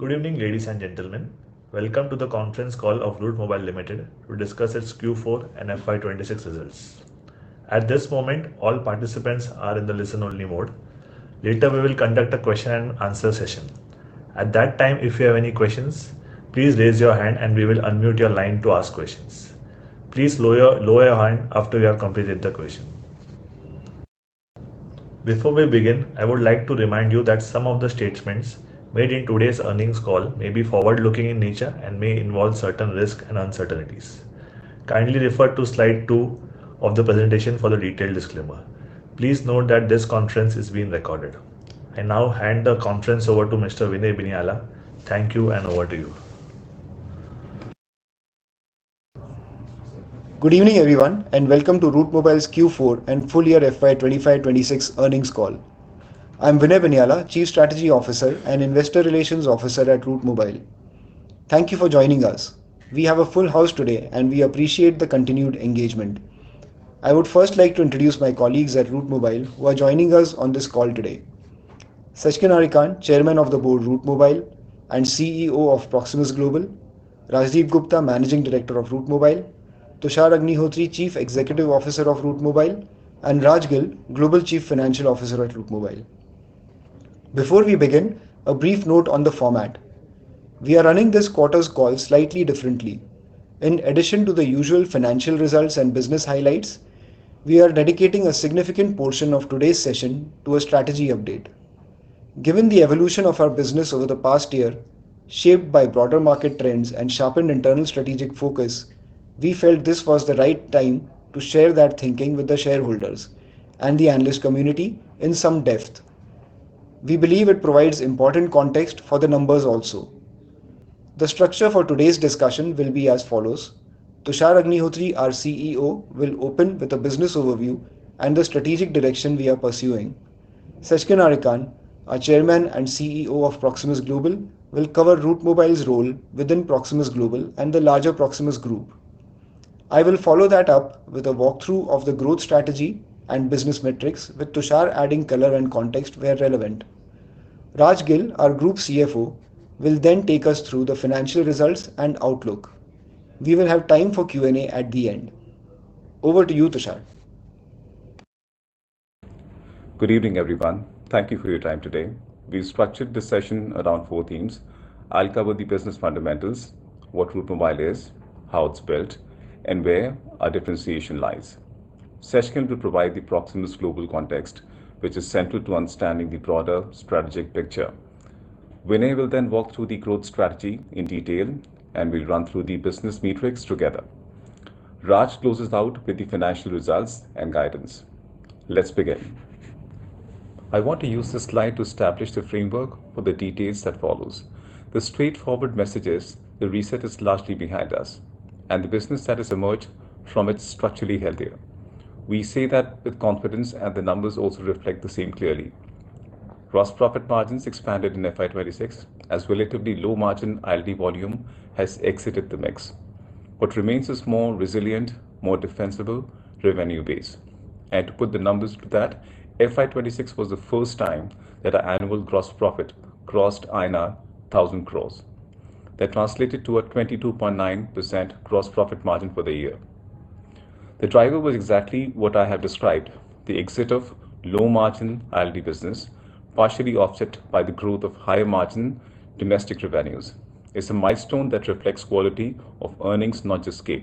Good evening, ladies and gentlemen. Welcome to the conference call of Route Mobile Limited to discuss its Q4 and FY 2026 results. At this moment, all participants are in the listen-only mode. Later, we will conduct a question and answer session. At that time, if you have any questions, please raise your hand and we will unmute your line to ask questions. Please lower your hand after you have completed the question. Before we begin, I would like to remind you that some of the statements made in today's earnings call may be forward-looking in nature and may involve certain risks and uncertainties. Kindly refer to slide two of the presentation for the detailed disclaimer. Please note that this conference is being recorded. I now hand the conference over to Mr. Vinay Binyala. Thank you, and over to you. Good evening, everyone, welcome to Route Mobile's Q4 and full year FY 2025, 2026 earnings call. I'm Vinay Binyala, Chief Strategy Officer and Investor Relations Officer at Route Mobile. Thank you for joining us. We have a full house today, and we appreciate the continued engagement. I would first like to introduce my colleagues at Route Mobile who are joining us on this call today. Seckin Arikan, Chairman of the Board, Route Mobile and CEO of Proximus Global, Rajdipkumar Gupta, Managing Director of Route Mobile, Tushar Agnihotri, Chief Executive Officer of Route Mobile, and Raj Gill, Global Chief Financial Officer at Route Mobile. Before we begin, a brief note on the format. We are running this quarter's call slightly differently. In addition to the usual financial results and business highlights, we are dedicating a significant portion of today's session to a strategy update. Given the evolution of our business over the past year, shaped by broader market trends and sharpened internal strategic focus, we felt this was the right time to share that thinking with the shareholders and the analyst community in some depth. We believe it provides important context for the numbers also. The structure for today's discussion will be as follows. Tushar Agnihotri, our CEO, will open with a business overview and the strategic direction we are pursuing. Seckin Arikan, our Chairman and CEO of Proximus Global, will cover Route Mobile's role within Proximus Global and the larger Proximus Group. I will follow that up with a walkthrough of the growth strategy and business metrics, with Tushar adding color and context where relevant. Raj Gill, our Group CFO, will take us through the financial results and outlook. We will have time for Q&A at the end. Over to you, Tushar. Good evening, everyone. Thank you for your time today. We've structured this session around four themes. I'll cover the business fundamentals, what Route Mobile is, how it's built, and where our differentiation lies. Seckin will provide the Proximus Global context, which is central to understanding the broader strategic picture. Vinay will then walk through the growth strategy in detail and we'll run through the business metrics together. Raj closes out with the financial results and guidance. Let's begin. I want to use this slide to establish the framework for the details that follows. The straightforward message is the reset is largely behind us, and the business that has emerged from it is structurally healthier. We say that with confidence and the numbers also reflect the same clearly. Gross profit margins expanded in FY 2026 as relatively low margin ILD volume has exited the mix. What remains is more resilient, more defensible revenue base. To put the numbers to that, FY 2026 was the first time that our annual gross profit crossed INR 1,000 crores. That translated to a 22.9% gross profit margin for the year. The driver was exactly what I have described, the exit of low margin ILD business, partially offset by the growth of higher margin domestic revenues. It's a milestone that reflects quality of earnings, not just scale.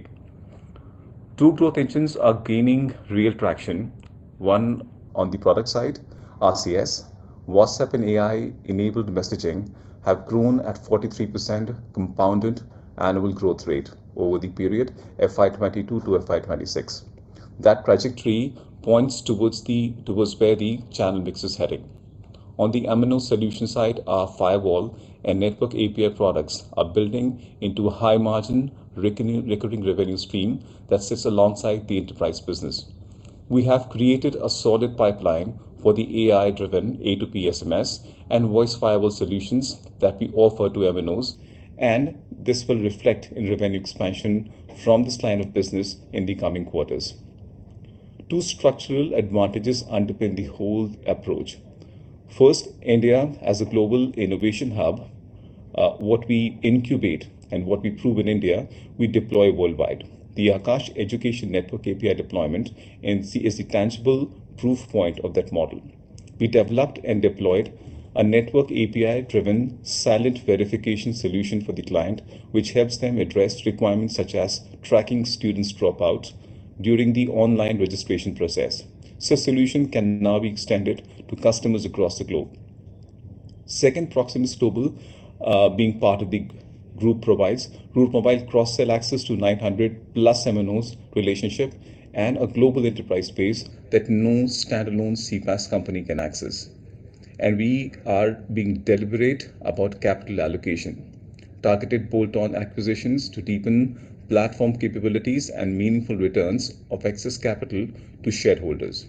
Two growth engines are gaining real traction. One on the product side, RCS, WhatsApp and AI-enabled messaging have grown at 43% Compounded Annual Growth Rate over the period FY 2022 to FY 2026. That trajectory points towards where the channel mix is heading. On the MNO solution side, our firewall and network API products are building into a high margin recurring revenue stream that sits alongside the enterprise business. We have created a solid pipeline for the AI-driven A2P SMS and voice firewall solutions that we offer to MNOs, this will reflect in revenue expansion from this line of business in the coming quarters. Two structural advantages underpin the whole approach. First, India as a Global Innovation Hub, what we incubate and what we prove in India, we deploy worldwide. The Aakash Education Network API deployment is the tangible proof point of that model. We developed and deployed a network API-driven silent verification solution for the client which helps them address requirements such as tracking students drop out during the online registration process. Same solution can now be extended to customers across the globe. Second, Proximus Global being part of the group provides Route Mobile cross-sell access to 900+ MNOs relationship and a global enterprise base that no standalone CPaaS company can access. We are being deliberate about capital allocation, targeted bolt-on acquisitions to Deepen platform capabilities and meaningful returns of excess capital to shareholders.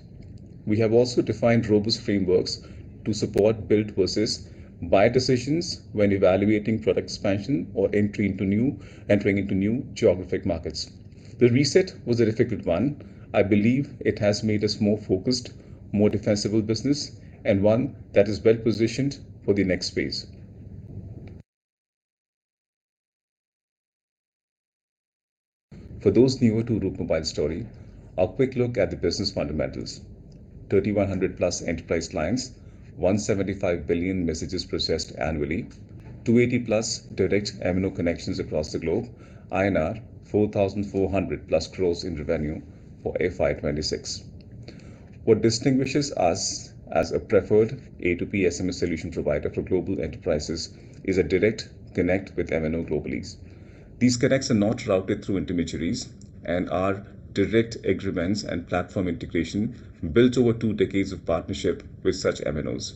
We have also defined robust frameworks to support build versus buy decisions when evaluating product expansion or entering into new geographic markets. The reset was a difficult one. I believe it has made us more focused, more defensible business, and one that is well-positioned for the next phase. For those newer to Route Mobile story, a quick look at the business fundamentals. 3,100+ enterprise clients, 175 billion messages processed annually, 280+ direct MNO connections across the globe, INR 4,400+ crores in revenue for FY 2026. What distinguishes us as a preferred A2P SMS solution provider for global enterprises is a direct connect with MNO globally. These connects are not routed through intermediaries and are direct agreements and platform integration built over two decades of partnership with such MNOs.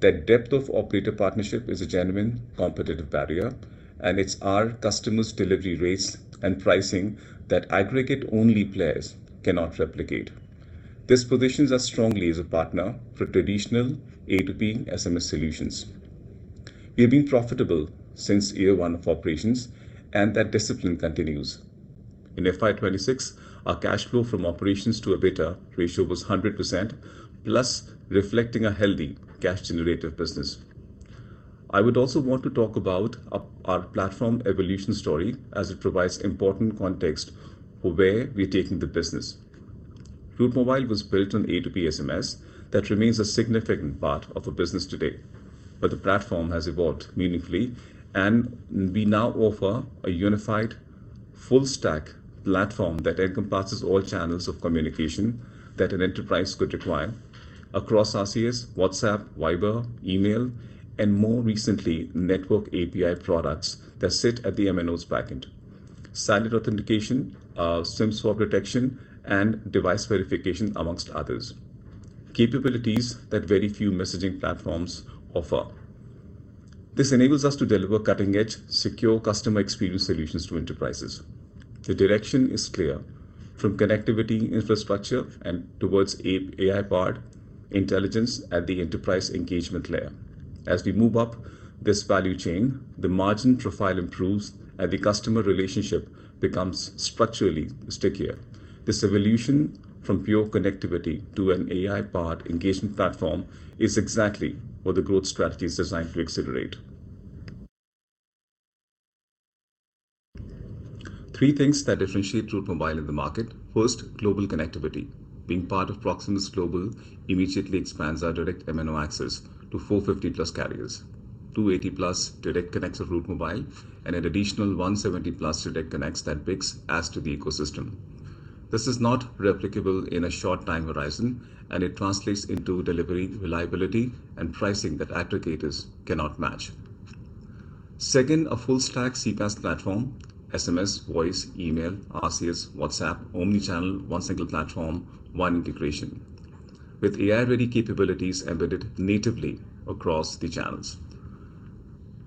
That depth of operator partnership is a genuine competitive barrier and it's our customers' delivery rates and pricing that aggregate-only players cannot replicate. This positions us strongly as a partner for traditional A2P SMS solutions. We have been profitable since year one of operations and that discipline continues. In FY 2026, our cash flow from operations-to- OIBDA ratio was 100%+, reflecting a healthy cash generative business. I would also want to talk about our platform evolution story as it provides important context for where we're taking the business. Route Mobile was built on A2P SMS. That remains a significant part of our business today. The platform has evolved meaningfully and we now offer a unified full stack platform that encompasses all channels of communication that an enterprise could require across RCS, WhatsApp, Viber, email, and more recently, network API products that sit at the MNO's backend. Silent authentication, SIM swap detection, and device verification amongst others. Capabilities that very few messaging platforms offer. This enables us to deliver cutting-edge, secure customer experience solutions to enterprises. The direction is clear. From connectivity infrastructure and towards AI-powered intelligence at the enterprise engagement layer. As we move up this value chain, the margin profile improves and the customer relationship becomes structurally stickier. This evolution from pure connectivity to an AI-powered engagement platform is exactly what the growth strategy is designed to accelerate. Three things that differentiate Route Mobile in the market. First, global connectivity. Being part of Proximus Global immediately expands our direct MNO access to 450+ carriers. 280+ direct connects of Route Mobile and an additional 170+ direct connects that BICS adds to the ecosystem. This is not replicable in a short time horizon and it translates into delivery reliability and pricing that aggregators cannot match. Second, a full-stack CPaaS platform, SMS, voice, email, RCS, WhatsApp, omni-channel, one single platform, one integration with AI-ready capabilities embedded natively across the channels.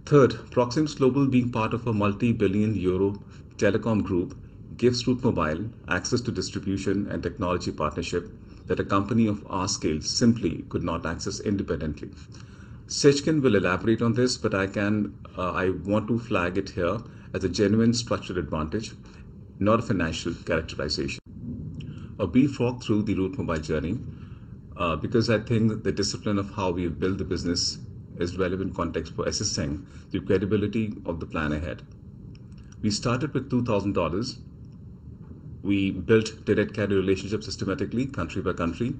Third, Proximus Global being part of a multi-billion EUR telecom group gives Route Mobile access to distribution and technology partnership that a company of our scale simply could not access independently. Seckin will elaborate on this. I can, I want to flag it here as a genuine structural advantage, not a financial characterization. A brief walk through the Route Mobile journey, because I think the discipline of how we build the business is relevant context for assessing the credibility of the plan ahead. We started with $2,000. We built direct carrier relationships systematically country by country.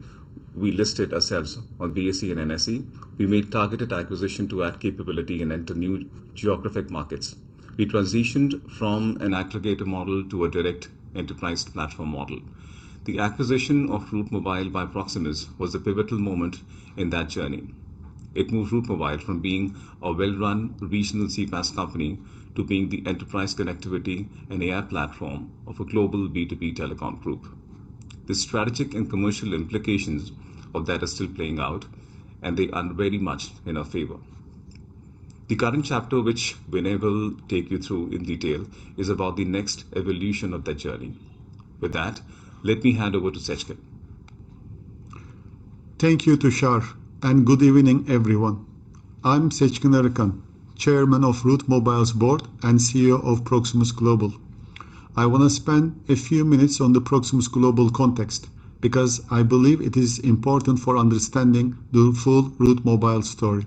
We listed ourselves on BSE and NSE. We made targeted acquisition to add capability and enter new geographic markets. We transitioned from an aggregator model to a direct enterprise platform model. The acquisition of Route Mobile by Proximus was a pivotal moment in that journey. It moved Route Mobile from being a well-run regional CPaaS company to being the enterprise connectivity and AI platform of a global B2B telecom group. The strategic and commercial implications of that are still playing out. They are very much in our favor. The current chapter which Vinay will take you through in detail, is about the next evolution of that journey. With that, let me hand over to Seckin. Thank you, Tushar. Good evening, everyone. I'm Seckin Arikan, Chairman of Route Mobile's board and CEO of Proximus Global. I want to spend a few minutes on the Proximus Global context because I believe it is important for understanding the full Route Mobile story.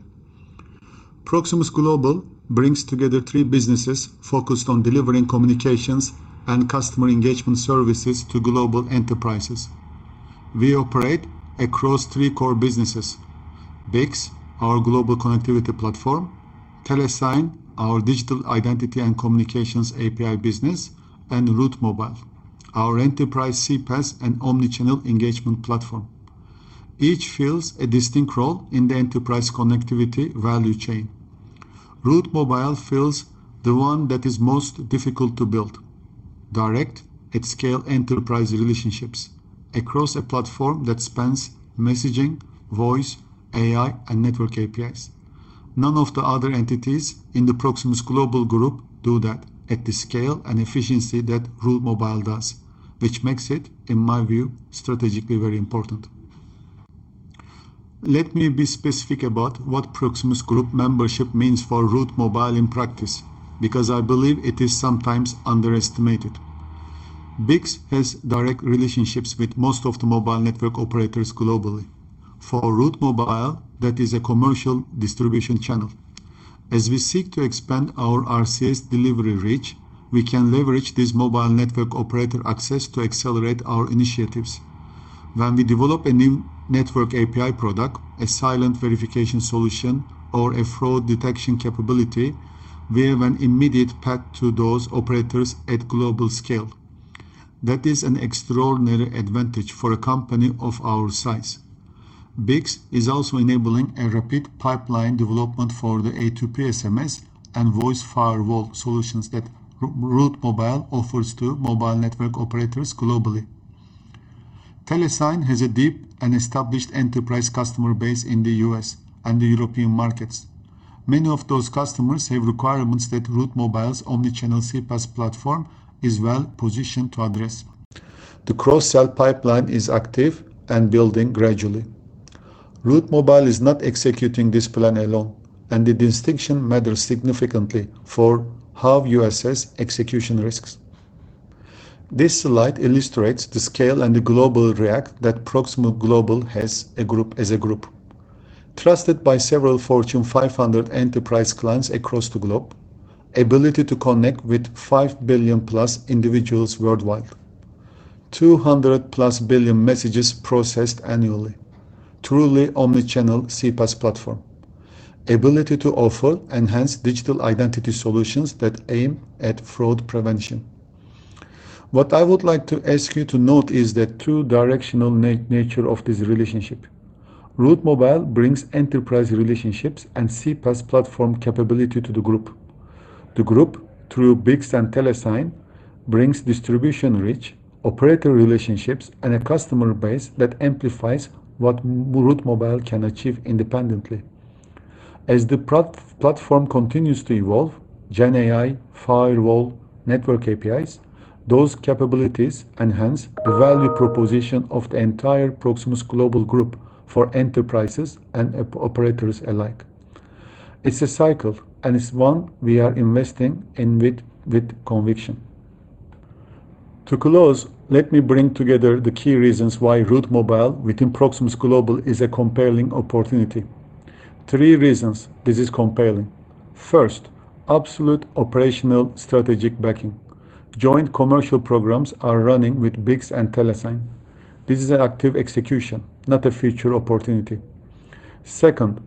Proximus Global brings together three businesses focused on delivering communications and customer engagement services to global enterprises. We operate across three core businesses, BICS, our global connectivity platform, Telesign, our digital identity and communications API business, and Route Mobile, our enterprise CPaaS and omni-channel engagement platform. Each fills a distinct role in the enterprise connectivity value chain. Route Mobile fills the one that is most difficult to build, direct at scale enterprise relationships across a platform that spans messaging, voice, AI, and network APIs. None of the other entities in the Proximus Global Group do that at the scale and efficiency that Route Mobile does which makes it, in my view, strategically very important. Let me be specific about what Proximus Group membership means for Route Mobile in practice because I believe it is sometimes underestimated. BICS has direct relationships with most of the mobile network operators globally. For Route Mobile, that is a commercial distribution channel. As we seek to expand our RCS delivery reach, we can leverage this mobile network operator access to Accelerate our initiatives. When we develop a new network API product, a silent verification solution or a fraud detection capability, we have an immediate path to those operators at global scale. That is an extraordinary advantage for a company of our size. BICS is also enabling a rapid pipeline development for the A2P SMS and voice firewall solutions that Route Mobile offers to mobile network operators globally. Telesign has a deep and established enterprise customer base in the U.S. and the European markets. Many of those customers have requirements that Route Mobile's omni-channel CPaaS platform is well-positioned to address. The cross-sell pipeline is active and building gradually. Route Mobile is not executing this plan alone, the distinction matters significantly for how you assess execution risks. This slide illustrates the scale and the global reach that Proximus Global has as a group. Trusted by several Fortune 500 enterprise clients across the globe. Ability to connect with 5 billion-plus individuals worldwide. 200-plus billion messages processed annually. Truly omni-channel CPaaS platform. Ability to offer enhanced digital identity solutions that aim at fraud prevention. What I would like to ask you to note is the two-directional nature of this relationship. Route Mobile brings enterprise relationships and CPaaS platform capability to the group. The group, through BICS and Telesign, brings distribution reach, operator relationships, and a customer base that amplifies what Route Mobile can achieve independently. As the platform continues to evolve, GenAI, firewall, network APIs, those capabilities enhance the value proposition of the entire Proximus Global group for enterprises and operators alike. It's a cycle, and it's one we are investing in with conviction. To close, let me bring together the key reasons why Route Mobile within Proximus Global is a compelling opportunity. Three reasons this is compelling. First, absolute operational strategic backing. Joint commercial programs are running with BICS and Telesign. This is an active execution, not a future opportunity. Second,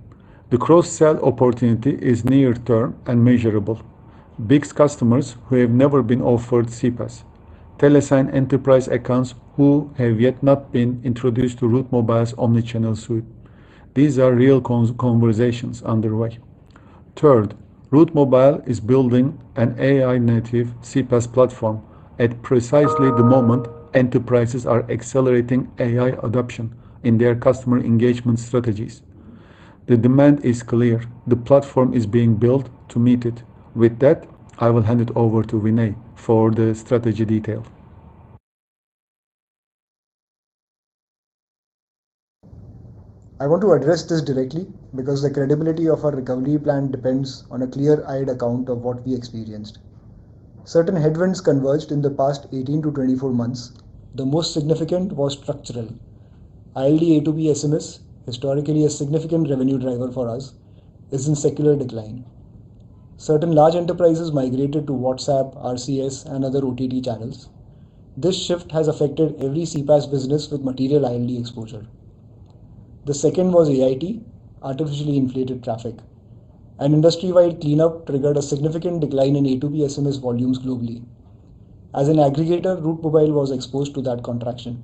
the cross-sell opportunity is near-term and measurable. BICS customers who have never been offered CPaaS, Telesign enterprise accounts who have yet not been introduced to Route Mobile's omni-channel suite. These are real conversations underway. Third, Route Mobile is building an AI-native CPaaS platform at precisely the moment enterprises are accelerating AI adoption in their customer engagement strategies. The demand is clear. The platform is being built to meet it. With that, I will hand it over to Vinay for the strategy detail. I want to address this directly because the credibility of our recovery plan depends on a clear-eyed account of what we experienced. Certain headwinds converged in the past 18 to 24 months. The most significant was structural. A2P SMS, historically a significant revenue driver for us, is in secular decline. Certain large enterprises migrated to WhatsApp, RCS, and other OTT channels. This shift has affected every CPaaS business with material A2P exposure. The second was AIT, Artificially Inflated Traffic. An industry-wide cleanup triggered a significant decline in A2P SMS volumes globally. As an aggregator, Route Mobile was exposed to that contraction.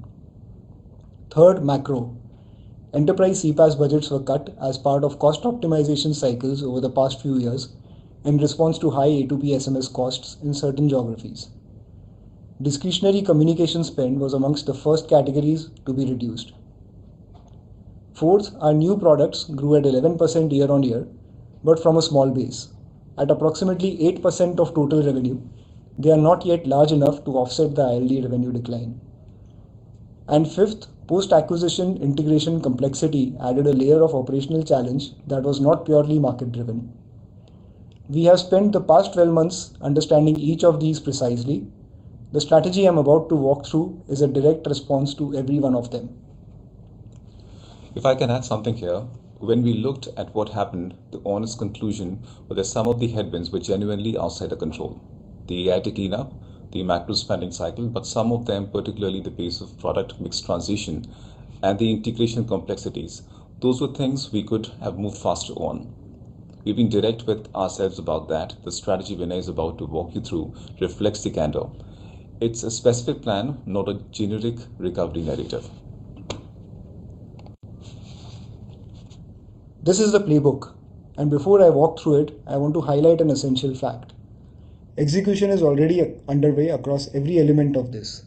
Third, macro. Enterprise CPaaS budgets were cut as part of cost optimization cycles over the past few years in response to high A2P SMS costs in certain geographies. Discretionary communication spend was amongst the first categories to be reduced. Fourth, our new products grew at 11% year-on-year, but from a small base. At approximately 8% of total revenue, they are not yet large enough to offset the A2P revenue decline. Fifth, post-acquisition integration complexity added a layer of operational challenge that was not purely market-driven. We have spent the past 12 months understanding each of these precisely. The strategy I'm about to walk through is a direct response to every one of them. If I can add something here. When we looked at what happened, the honest conclusion was that some of the headwinds were genuinely outside of control. The AIT cleanup, the macro spending cycle but some of them, particularly the pace of product mix transition and the integration complexities, those were things we could have moved faster on. We've been direct with ourselves about that. The strategy Vinay is about to walk you through reflects the candor. It's a specific plan, not a generic recovery narrative. This is the playbook. Before I walk through it, I want to highlight an essential fact. Execution is already underway across every element of this.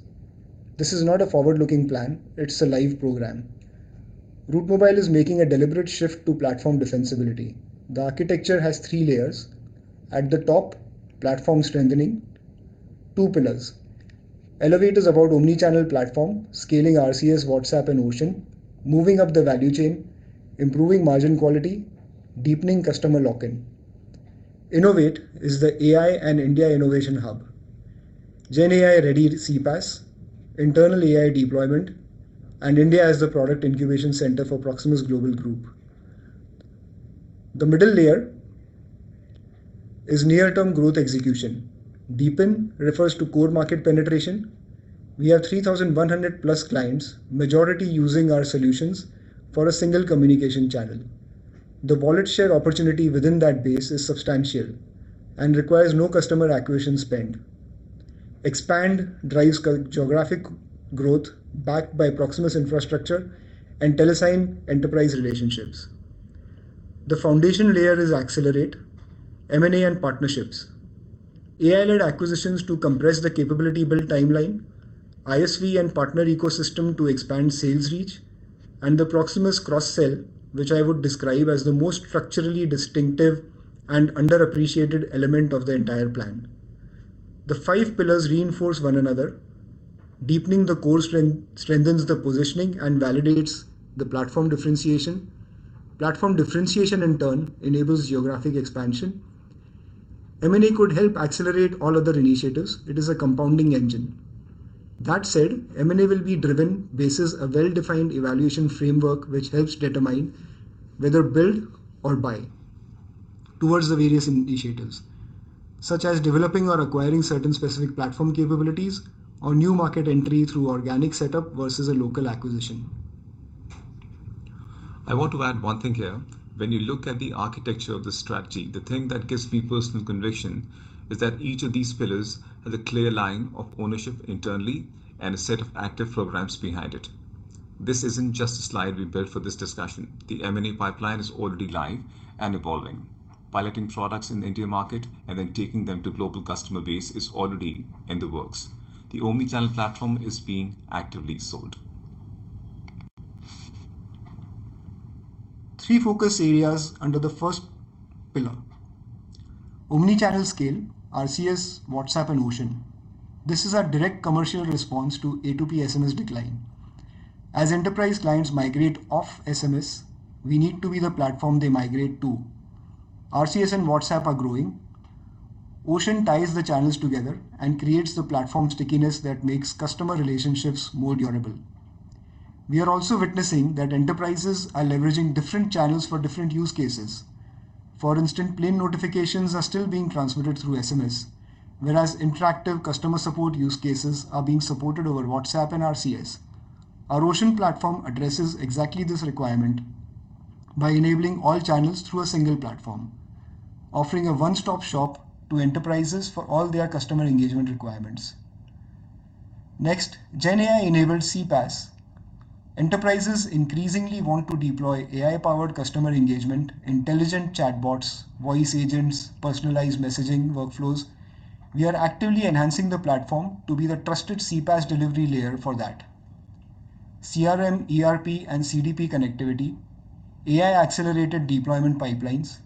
This is not a forward-looking plan. It's a live program. Route Mobile is making a deliberate shift to platform defensibility. The architecture has three layers. At the top, platform strengthening. Two pillars. Elevate is about omni-channel platform, scaling RCS, WhatsApp, and Ocean, moving up the value chain, improving margin quality, deepening customer lock-in. Innovate is the AI and India innovation hub. GenAI-ready CPaaS, internal AI deployment, and India as the product incubation center for Proximus Global Group. The middle layer is near-term growth execution. Deepen refers to core market penetration. We have 3,100 plus clients, majority using our solutions for a single communication channel. The wallet share opportunity within that base is substantial and requires no customer acquisition spend. Expand drives geographic growth backed by Proximus infrastructure and Telesign enterprise relationships. The foundation layer is Accelerate, M&A and partnerships. AI-led acquisitions to compress the capability build timeline, ISV and partner ecosystem to expand sales reach and the Proximus cross-sell, which I would describe as the most structurally distinctive and underappreciated element of the entire plan. The five pillars reinforce one another. Deepening the core strength strengthens the positioning and validates the platform differentiation. Platform differentiation in turn, enables geographic expansion. M&A could help accelerate all other initiatives. It is a compounding engine. That said, M&A will be driven basis a well-defined evaluation framework which helps determine whether build or buy towards the various initiatives such as developing or acquiring certain specific platform capabilities or new market entry through organic setup versus a local acquisition. I want to add one thing here. When you look at the architecture of the strategy, the thing that gives me personal conviction is that each of these pillars has a clear line of ownership internally and a set of active programs behind it. This isn't just a slide we built for this discussion. The M&A pipeline is already live and evolving. Piloting products in the India market and then taking them to global customer base is already in the works. The omni-channel platform is being actively sold. Three focus areas under the first pillar. Omni-channel scale, RCS, WhatsApp and Ocean. This is our direct commercial response to A2P SMS decline. As enterprise clients migrate off SMS, we need to be the platform they migrate to. RCS and WhatsApp are growing. Ocean ties the channels together and creates the platform stickiness that makes customer relationships more durable. We are also witnessing that enterprises are leveraging different channels for different use cases. For instance, plain notifications are still being transmitted through SMS, whereas interactive customer support use cases are being supported over WhatsApp and RCS. Our Ocean platform addresses exactly this requirement by enabling all channels through a single platform, offering a one-stop shop to enterprises for all their customer engagement requirements. Next, GenAI-enabled CPaaS. Enterprises increasingly want to deploy AI-powered customer engagement, intelligent chatbots, voice agents, personalized messaging workflows. We are actively enhancing the platform to be the trusted CPaaS delivery layer for that. CRM, ERP, and CDP connectivity, AI-accelerated deployment pipelines.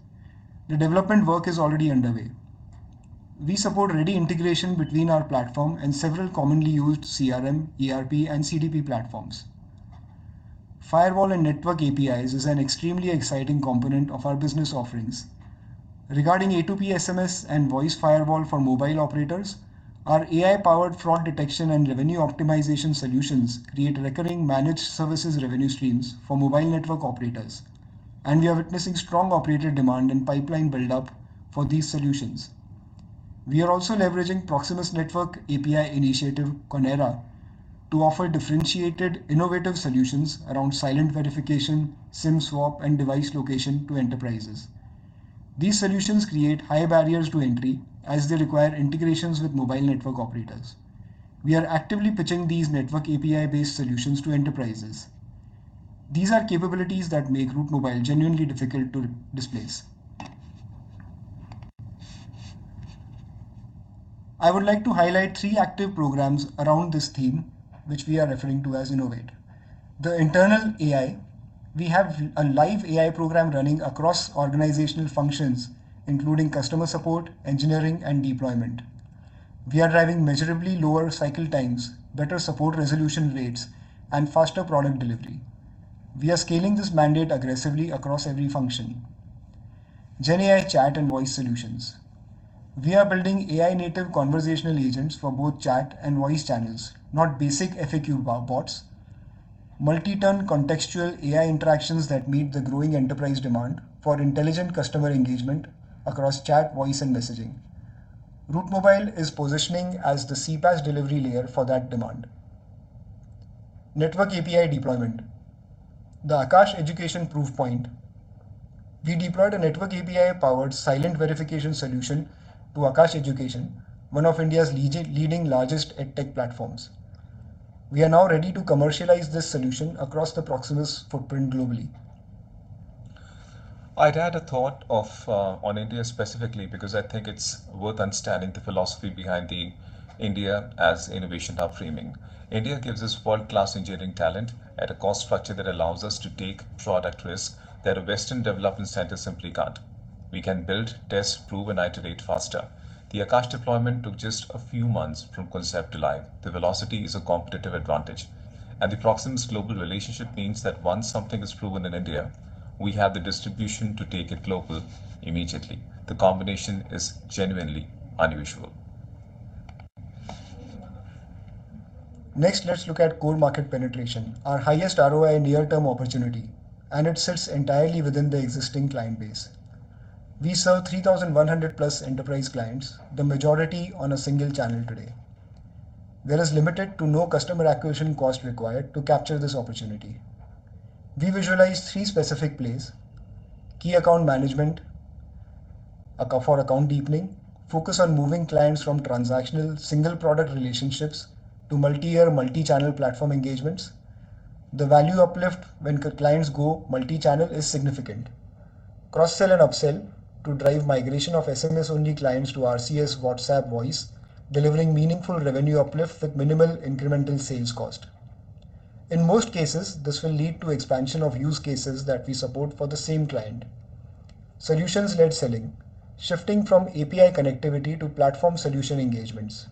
The development work is already underway. We support ready integration between our platform and several commonly used CRM, ERP, and CDP platforms. Firewall and network APIs is an extremely exciting component of our business offerings. Regarding A2P SMS and voice firewall for mobile operators, our AI-powered fraud detection and revenue optimization solutions create recurring managed services revenue streams for mobile network operators and we are witnessing strong operator demand and pipeline build-up for these solutions. We are also leveraging Proximus Network API initiative Konera to offer differentiated innovative solutions around silent verification, SIM swap, and device location to enterprises. These solutions create high barriers to entry as they require integrations with mobile network operators. We are actively pitching these Network API-based solutions to enterprises. These are capabilities that make Route Mobile genuinely difficult to displace. I would like to highlight three active programs around this theme, which we are referring to as Innovate. The internal AI. We have a live AI program running across organizational functions, including customer support, engineering, and deployment. We are driving measurably lower cycle times, better support resolution rates, and faster product delivery. We are scaling this mandate aggressively across every function. GenAI chat and voice solutions. We are building AI-native conversational agents for both chat and voice channels, not basic FAQ bots. Multi-turn contextual AI interactions that meet the growing enterprise demand for intelligent customer engagement across chat, voice, and messaging. Route Mobile is positioning as the CPaaS delivery layer for that demand. Network API deployment. The Aakash Education proof point. We deployed a network API-powered silent verification solution to Aakash Educational Services, one of India's leading largest edtech platforms. We are now ready to commercialize this solution across the Proximus footprint globally. I'd add a thought of on India specifically, because I think it's worth understanding the philosophy behind the India as innovation hub framing. India gives us world-class engineering talent at a cost structure that allows us to take product risk that a Western development center simply can't. We can build, test, prove, and iterate faster. The Aakash deployment took just a few months from concept to live. The velocity is a competitive advantage and the Proximus Global relationship means that once something is proven in India, we have the distribution to take it global immediately. The combination is genuinely unusual. Next, let's look at core market penetration, our highest ROI near-term opportunity and it sits entirely within the existing client base. We serve 3,100+ enterprise clients, the majority on a single channel today. There is limited to no customer acquisition cost required to capture this opportunity. We visualize three specific plays, key account management, account for account deepening, focus on moving clients from transactional single-product relationships to multi-year multi-channel platform engagements. The value uplift when clients go multi-channel is significant. Cross-sell and upsell to drive migration of SMS-only clients to RCS WhatsApp Voice, delivering meaningful revenue uplift with minimal incremental sales cost. In most cases, this will lead to expansion of use cases that we support for the same client. Solutions-led selling, shifting from API connectivity to platform solution engagements.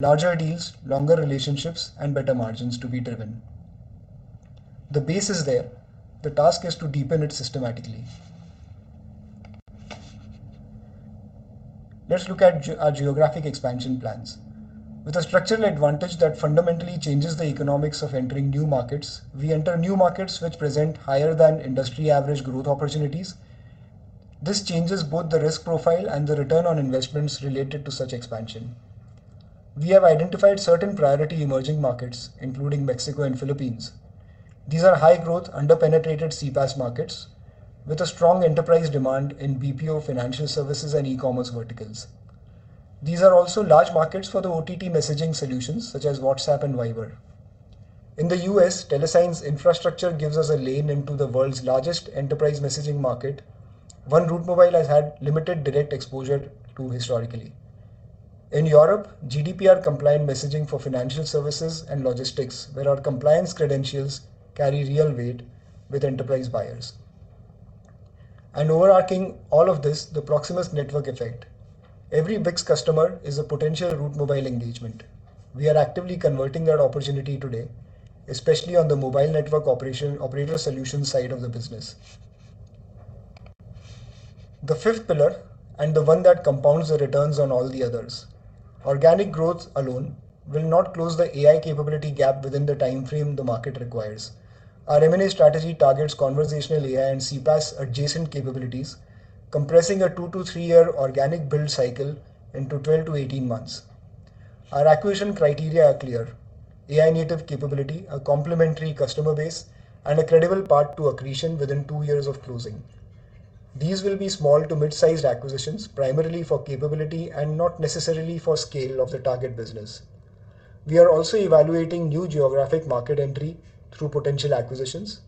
Larger deals, longer relationships and better margins to be driven. The base is there. The task is to deepen it systematically. Let's look at our geographic expansion plans. With a structural advantage that fundamentally changes the economics of entering new markets, we enter new markets which present higher than industry average growth opportunities. This changes both the risk profile and the Return On Investments related to such expansion. We have identified certain priority emerging markets, including Mexico and Philippines. These are high-growth, under-penetrated CPaaS markets with a strong enterprise demand in BPO financial services and e-commerce verticals. These are also large markets for the OTT messaging solutions, such as WhatsApp and Viber. In the U.S., Telesign's infrastructure gives us a lane into the world's largest enterprise messaging market. One Route Mobile has had limited direct exposure to historically. In Europe, GDPR-compliant messaging for financial services and logistics where our compliance credentials carry real weight with enterprise buyers. Overarching all of this, the Proximus network effect. Every BICS customer is a potential Route Mobile engagement. We are actively converting that opportunity today, especially on the mobile network operator solution side of the business. The fifth pillar, and the one that compounds the returns on all the others. Organic growth alone will not close the AI capability gap within the timeframe the market requires. Our M&A strategy targets conversational AI and CPaaS-adjacent capabilities, compressing a two to three-year organic build cycle into 12 to 18 months. Our acquisition criteria are clear, AI-native capability, a complementary customer base, and a credible path to accretion within two years of closing. These will be small to mid-sized acquisitions, primarily for capability and not necessarily for scale of the target business. We are also evaluating new geographic market entry through potential acquisitions.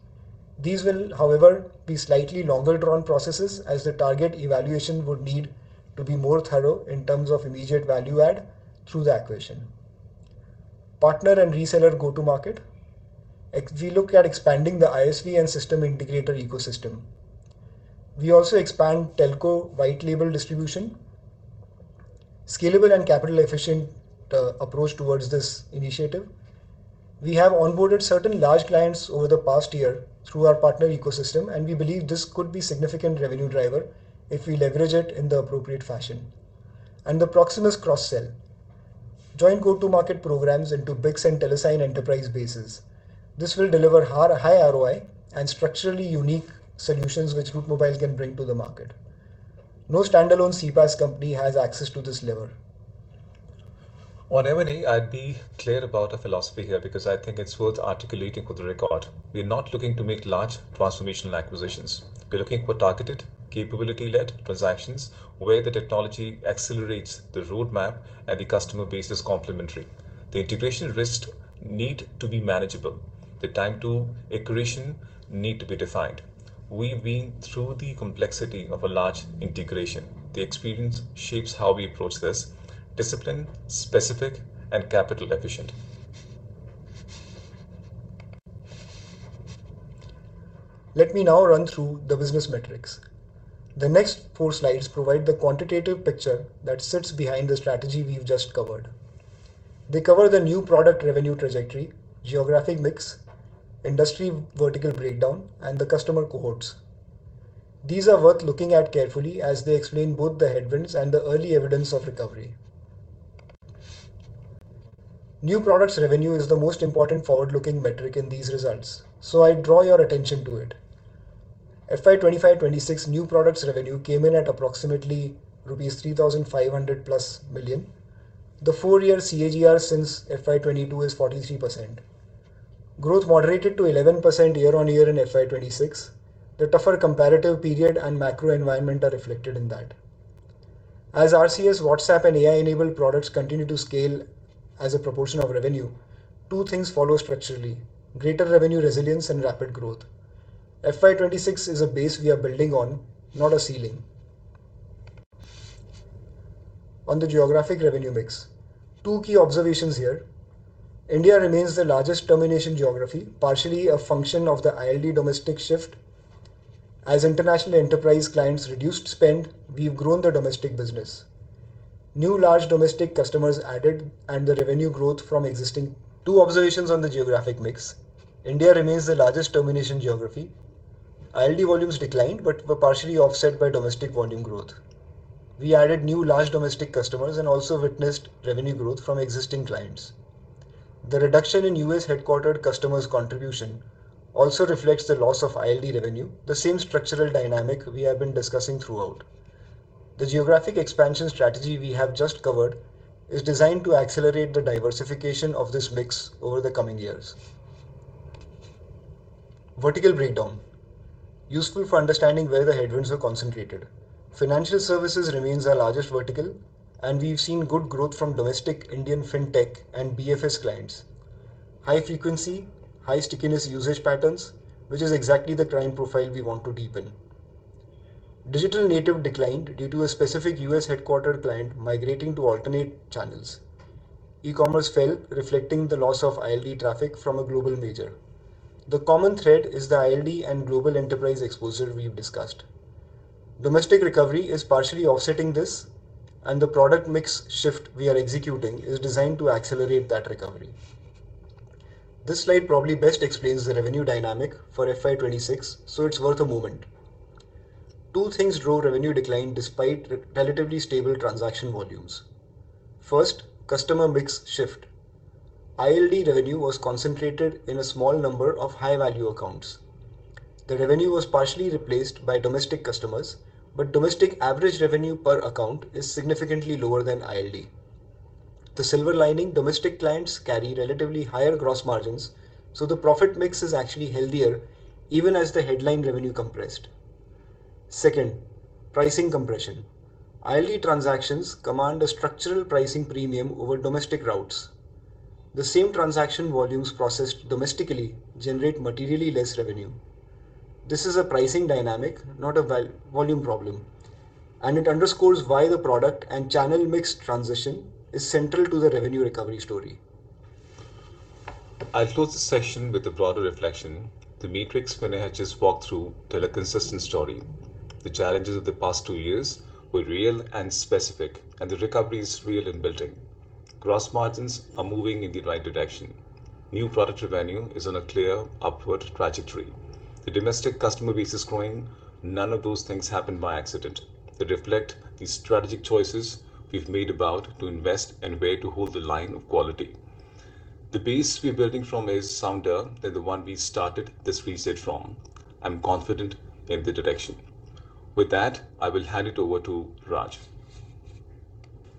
These will, however, be slightly longer drawn processes as the target evaluation would need to be more thorough in terms of immediate value add through the acquisition. Partner and reseller go-to-market. We look at expanding the ISV and System Integrator ecosystem. We also expand telco white label distribution. Scalable and capital efficient approach towards this initiative. We have onboarded certain large clients over the past year through our partner ecosystem, and we believe this could be significant revenue driver if we leverage it in the appropriate fashion. The Proximus cross-sell. Joint go-to-market programs into BICS and Telesign enterprise bases. This will deliver high ROI and structurally unique solutions which Route Mobile can bring to the market. No standalone CPaaS company has access to this lever. On M&A, I'd be clear about our philosophy here because I think it's worth articulating for the record. We're not looking to make large transformational acquisitions. We're looking for targeted capability-led transactions where the technology accelerates the roadmap and the customer base is complementary. The integration risks need to be manageable. The time to accretion need to be defined. We've been through the complexity of a large integration. The experience shapes how we approach this. Discipline, specific, and capital efficient. Let me now run through the business metrics. The next four slides provide the quantitative picture that sits behind the strategy we've just covered. They cover the new product revenue trajectory, geographic mix, industry vertical breakdown, and the customer cohorts. These are worth looking at carefully as they explain both the headwinds and the early evidence of recovery. New products revenue is the most important forward-looking metric in these results, so I draw your attention to it. FY 2025, 2026 new products revenue came in at approximately rupees 3,500+ million. The four-year CAGR since FY 2022 is 43%. Growth moderated to 11% year-on-year in FY 2026. The tougher comparative period and macro environment are reflected in that. As RCS, WhatsApp, and AI-enabled products continue to scale as a proportion of revenue. Two things follow structurally, greater revenue resilience and rapid growth. FY 2026 is a base we are building on, not a ceiling. On the geographic mix. India remains the largest termination geography. ILD volumes declined but were partially offset by domestic volume growth. We added new large domestic customers and also witnessed revenue growth from existing clients. The reduction in U.S-headquartered customers' contribution also reflects the loss of ILD revenue, the same structural dynamic we have been discussing throughout. The geographic expansion strategy we have just covered is designed to accelerate the diversification of this mix over the coming years. Vertical breakdown. Useful for understanding where the headwinds are concentrated. Financial services remains our largest vertical and we've seen good growth from domestic Indian fintech and BFS clients. High frequency, high stickiness usage patterns, which is exactly the client profile we want to deepen. Digital native declined due to a specific U.S.-headquartered client migrating to alternate channels. E-commerce fell, reflecting the loss of ILD traffic from a global major. The common thread is the ILD and global enterprise exposure we've discussed. Domestic recovery is partially offsetting this, and the product mix shift we are executing is designed to accelerate that recovery. This slide probably best explains the revenue dynamic for FY 2026, so it's worth a moment. Two things drove revenue decline despite relatively stable transaction volumes. First, customer mix shift. ILD revenue was concentrated in a small number of high-value accounts. The revenue was partially replaced by domestic customers but domestic average revenue per account is significantly lower than ILD. The silver lining, domestic clients carry relatively higher gross margins, the profit mix is actually healthier even as the headline revenue compressed. Second, pricing compression. ILD transactions command a structural pricing premium over domestic routes. The same transaction volumes processed domestically generate materially less revenue. This is a pricing dynamic, not a volume problem, it underscores why the product and channel mix transition is central to the revenue recovery story. I'll close the session with a broader reflection. The metrics Vinay has just walked through tell a consistent story. The challenges of the past two years were real and specific and the recovery is real and building. Gross margins are moving in the right direction. New product revenue is on a clear upward trajectory. The domestic customer base is growing. None of those things happen by accident. They reflect the strategic choices we've made about to invest and where to hold the line of quality. The base we're building from is sounder than the one we started this reset from. I'm confident in the direction. With that, I will hand it over to Raj.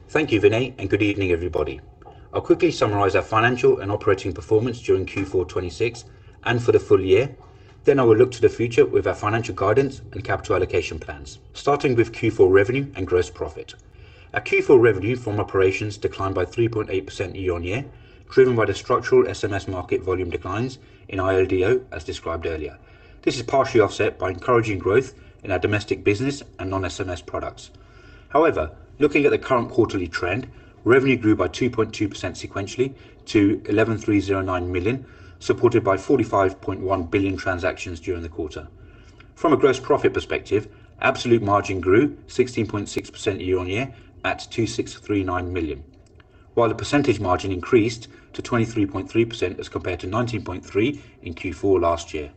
Thank you, Vinay, good evening, everybody. I'll quickly summarize our financial and operating performance during Q4 2026 and for the full year. I will look to the future with our financial guidance and capital allocation plans. Starting with Q4 revenue and gross profit. Our Q4 revenue from operations declined by 3.8% year-on-year, driven by the structural SMS market volume declines in ILDO, as described earlier. This is partially offset by encouraging growth in our domestic business and non-SMS products. Looking at the current quarterly trend, revenue grew by 2.2% sequentially to 11,309 million, supported by 45.1 billion transactions during the quarter. From a gross profit perspective, absolute margin grew 16.6% year on year at 2,639 million, while the percentage margin increased to 23.3% as compared to 19.3% in Q4 last year,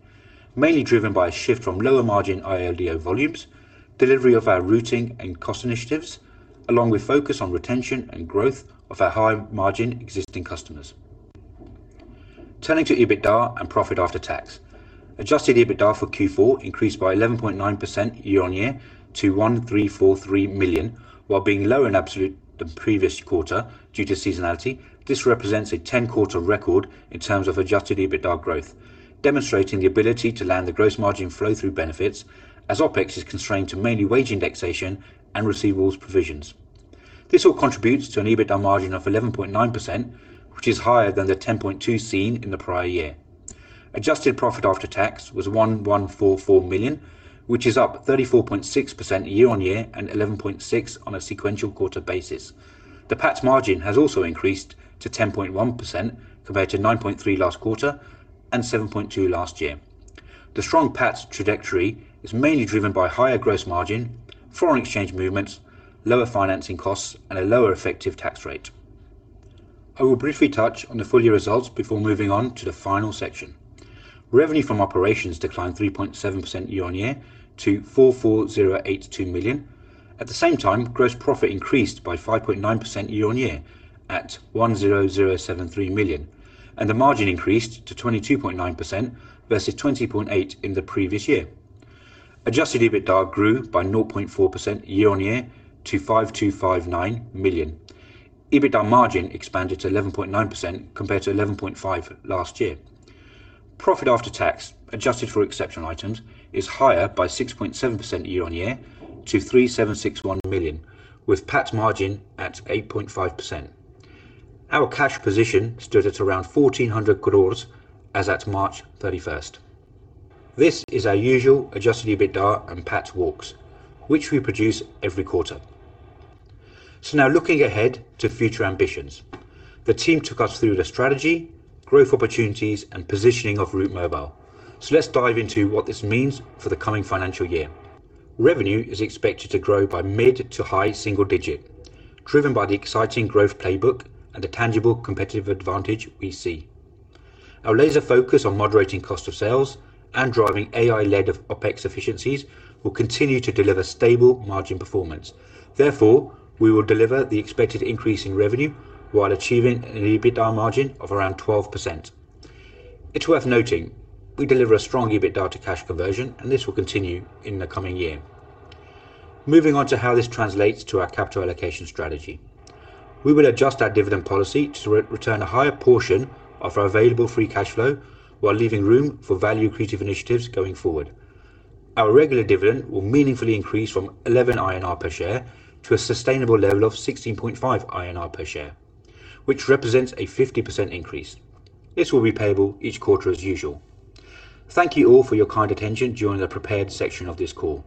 mainly driven by a shift from lower margin ILDO volumes, delivery of our routing and cost initiatives along with focus on retention and growth of our high-margin existing customers. Turning to EBITDA and profit after tax. Adjusted EBITDA for Q4 increased by 11.9% year on year to 1,343 million, while being lower in absolute than previous quarter due to seasonality. This represents a 10-quarter record in terms of Adjusted EBITDA growth, demonstrating the ability to land the gross margin flow through benefits as OpEx is constrained to mainly wage indexation and receivables provisions. This all contributes to an EBITDA margin of 11.9%, which is higher than the 10.2% seen in the prior year. Adjusted PAT was 1,144 million, which is up 34.6% year-on-year and 11.6% on a sequential quarter basis. The PAT margin has also increased to 10.1% compared to 9.3% last quarter and 7.2% last year. The strong PAT trajectory is mainly driven by higher gross margin, foreign exchange movements, lower financing costs, and a lower effective tax rate. I will briefly touch on the full-year results before moving on to the final section. Revenue from operations declined 3.7% year-on-year to 44,082 million. At the same time, gross profit increased by 5.9% year-on-year at 1,007.3 million, and the margin increased to 22.9% versus 20.8% in the previous year. Adjusted EBITDA grew by 0.4% year-on-year to 525.9 million. EBITDA margin expanded to 11.9% compared to 11.5% last year. Profit after tax, adjusted for exceptional items, is higher by 6.7% year-on-year to 376.1 million, with PAT margin at 8.5%. Our cash position stood at around 1,400 crores as at March 31st. This is our usual Adjusted EBITDA and PAT walks, which we produce every quarter. Now looking ahead to future ambitions. The team took us through the strategy, growth opportunities and positioning of Route Mobile. Let's dive into what this means for the coming financial year. Revenue is expected to grow by mid to high single-digit, driven by the exciting growth playbook and the tangible competitive advantage we see. Our laser focus on moderating cost of sales and driving AI-led OpEx efficiencies will continue to deliver stable margin performance. We will deliver the expected increase in revenue while achieving an EBITDA margin of around 12%. It's worth noting we deliver a strong EBITDA to cashflow conversion and this will continue in the coming year. Moving on to how this translates to our capital allocation strategy. We will adjust our dividend policy to re-return a higher portion of our available free cashflow while leaving room for value-creative initiatives going forward. Our regular dividend will meaningfully increase from 11 INR per share to a sustainable level of 16.5 INR per share, which represents a 50% increase. This will be payable each quarter as usual. Thank you all for your kind attention during the prepared section of this call.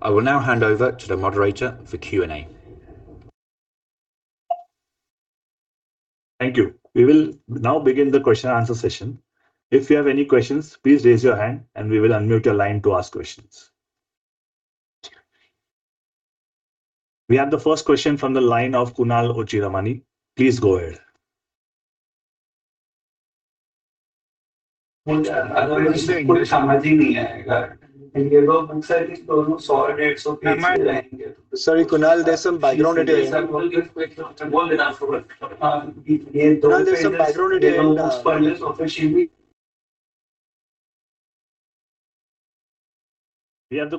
I will now hand over to the moderator for Q&A. Thank you. We will now begin the question and answer session. If you have any questions, please raise your hand and we will unmute your line to ask questions. We have the first question from the line of Kunal Ochiramani. Please go ahead. Sorry, Kunal, there's some background noise there. We have the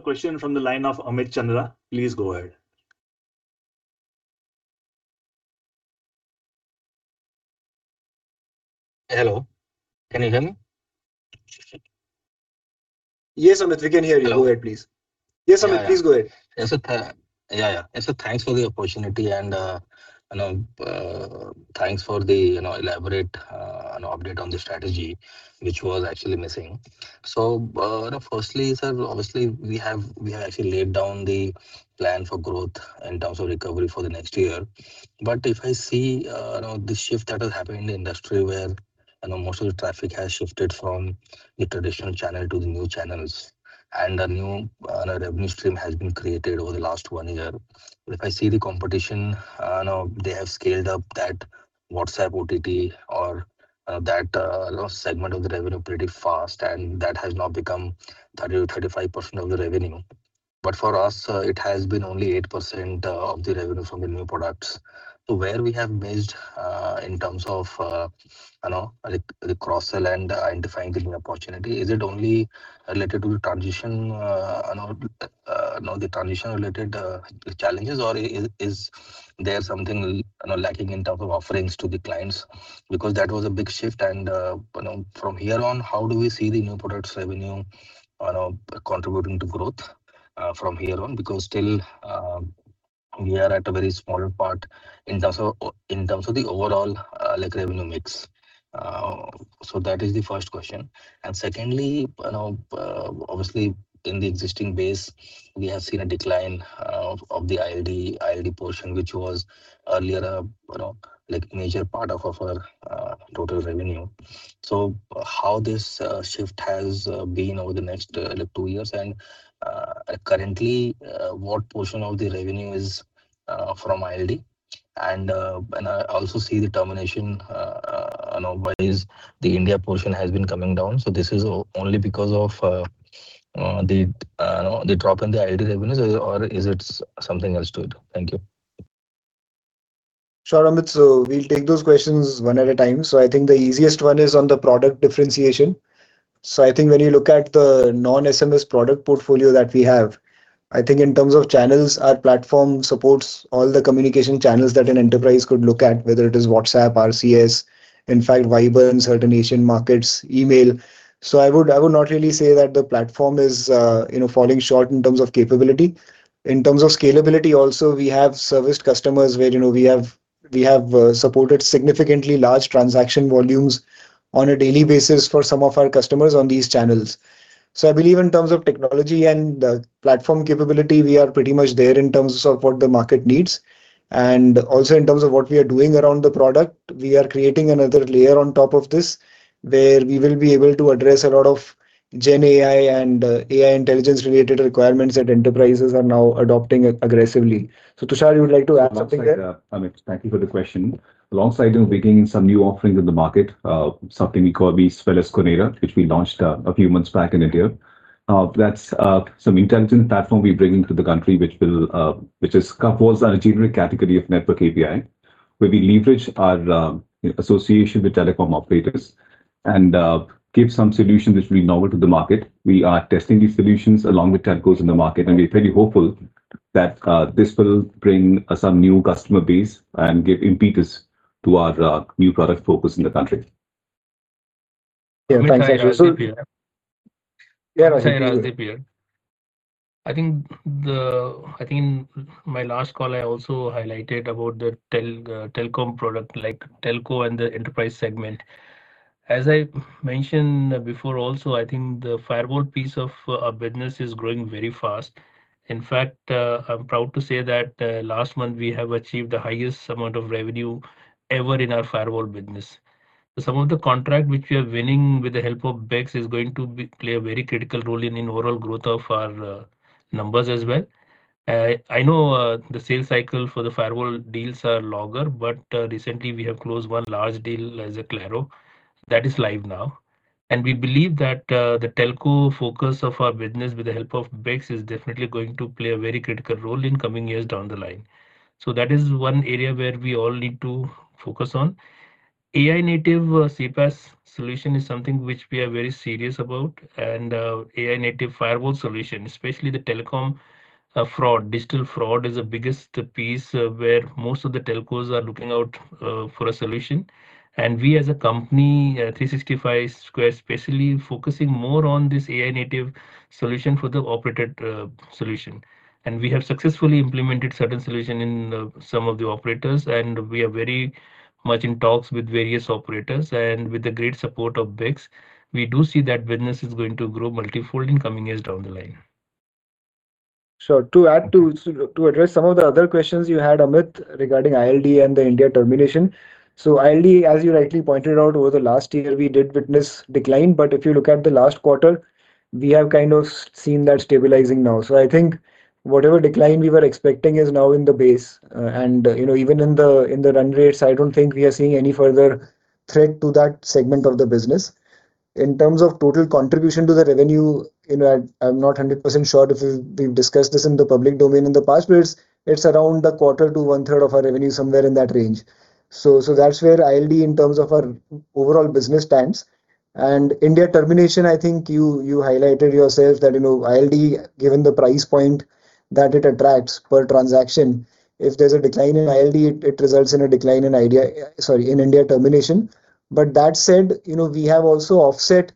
question from the line of Amit Chandra. Please go ahead. Hello, can you hear me? Yes, Amit, we can hear you. Go ahead, please. Yes, Amit, please go ahead. Yeah, yeah. Yeah. Thanks for the opportunity and, you know, thanks for the, you know, elaborate, you know, update on the strategy which was actually missing. Firstly, sir, obviously we have actually laid down the plan for growth in terms of recovery for the next year. If I see, you know, the shift that has happened in the industry where, you know, most of the traffic has shifted from the traditional channel to the new channels, and a new, you know, revenue stream has been created over the last one year. If I see the competition, you know, they have scaled up that WhatsApp OTT or, that, you know, segment of the revenue pretty fast, and that has now become 30% to 35% of the revenue. For us, it has been only 8% of the revenue from the new products. Where we have missed, in terms of, you know, like the cross-sell and identifying the new opportunity, is it only related to the transition, you know, the transition-related challenges or is there something lacking in terms of offerings to the clients? That was a big shift and, you know, from here on, how do we see the new products revenue contributing to growth from here on? Still, we are at a very small part in terms of the overall, like revenue mix. That is the first question. Secondly, you know, obviously in the existing base, we have seen a decline of the ILD portion which was earlier, you know, like major part of our total revenue. How this shift has been over the next like two years and currently what portion of the revenue is from ILD? I also see the termination, you know, why is the India portion has been coming down. This is only because of the drop in the ILD revenues or is it something else to it? Thank you. Sure, Amit. We'll take those questions one at a time. I think the easiest one is on the product differentiation. I think when you look at the non-SMS product portfolio that we have, I think in terms of channels, our platform supports all the communication channels that an enterprise could look at whether it is WhatsApp, RCS, in fact, Viber in certain Asian markets, email. I would not really say that the platform is, you know, falling short in terms of capability. In terms of scalability also, we have serviced customers where, you know, we have supported significantly large transaction volumes on a daily basis for some of our customers on these channels. I believe in terms of technology and the platform capability, we are pretty much there in terms of what the market needs. Also in terms of what we are doing around the product, we are creating another layer on top of this, where we will be able to address a lot of GenAI and AI intelligence related requirements that enterprises are now adopting aggressively. Tushar, you would like to add something there? Alongside that, Amit, thank you for the question. Alongside bringing in some new offerings in the market, something we call the Speles Konera, which we launched a few months back in India. That's some intelligent platform we bring into the country which will, which is, falls under a generic category of Network API, where we leverage our association with telecom operators and give some solution which will be novel to the market. We are testing these solutions along with telcos in the market, and we're pretty hopeful that this will bring us a new customer base and give impetus to our new product focus in the country. Yeah. I think my last call I also highlighted about the telecom product, like telco and the enterprise segment. As I mentioned before also, I think the firewall piece of our business is growing very fast. In fact, I'm proud to say that last month we have achieved the highest amount of revenue ever in our firewall business. Some of the contract which we are winning with the help of BICS is going to be play a very critical role in overall growth of our numbers as well. I know, the sales cycle for the firewall deals are longer but recently we have closed one large deal as a Claro that is live now. We believe that the telco focus of our business with the help of BICS is definitely going to play a very critical role in coming years down the line. That is one area where we all need to focus on. AI native CPaaS solution is something which we are very serious about, and AI native firewall solution, especially the telecom fraud. Digital fraud is the biggest piece where most of the telcos are looking out for a solution. We as a company, 365squared, especially focusing more on this AI native solution for the operated solution. We have successfully implemented certain solution in some of the operators, and we are very much in talks with various operators. With the great support of BICS, we do see that business is going to grow multifold in coming years down the line. To address some of the other questions you had, Amit, regarding ILD and the India termination. ILD, as you rightly pointed out, over the last year we did witness decline but if you look at the last quarter, we have seen that stabilizing now. I think whatever decline we were expecting is now in the base. And, you know, even in the, in the run rates, I don't think we are seeing any further threat to that segment of the business. In terms of total contribution to the revenue, you know, I'm not 100% sure if we've discussed this in the public domain in the past, but it's around a quarter to one third of our revenue, somewhere in that range. That's where ILD in terms of our overall business stands. India termination, I think you highlighted yourself that, you know, ILD, given the price point that it attracts per transaction. If there's a decline in ILD, it results in a decline in ILD, sorry, in India termination. That said, you know, we have also offset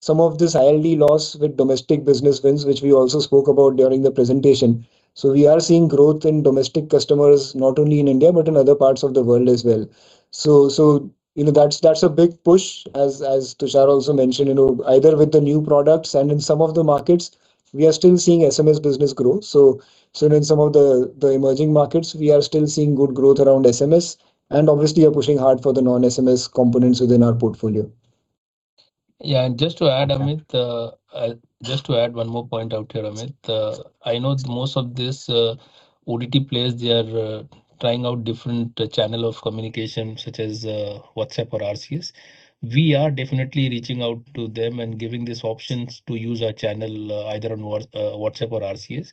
some of this ILD loss with domestic business wins which we also spoke about during the presentation. We are seeing growth in domestic customers not only in India but in other parts of the world as well. You know, that's a big push as Tushar also mentioned, you know, either with the new products and in some of the markets, we are still seeing SMS business grow. In some of the emerging markets, we are still seeing good growth around SMS and obviously are pushing hard for the non-SMS components within our portfolio. Yeah. Just to add, Amit, just to add one more point out here, Amit. I know most of this OTT players, they are trying out different channel of communication such as WhatsApp or RCS. We are definitely reaching out to them and giving these options to use our channel either on WhatsApp or RCS.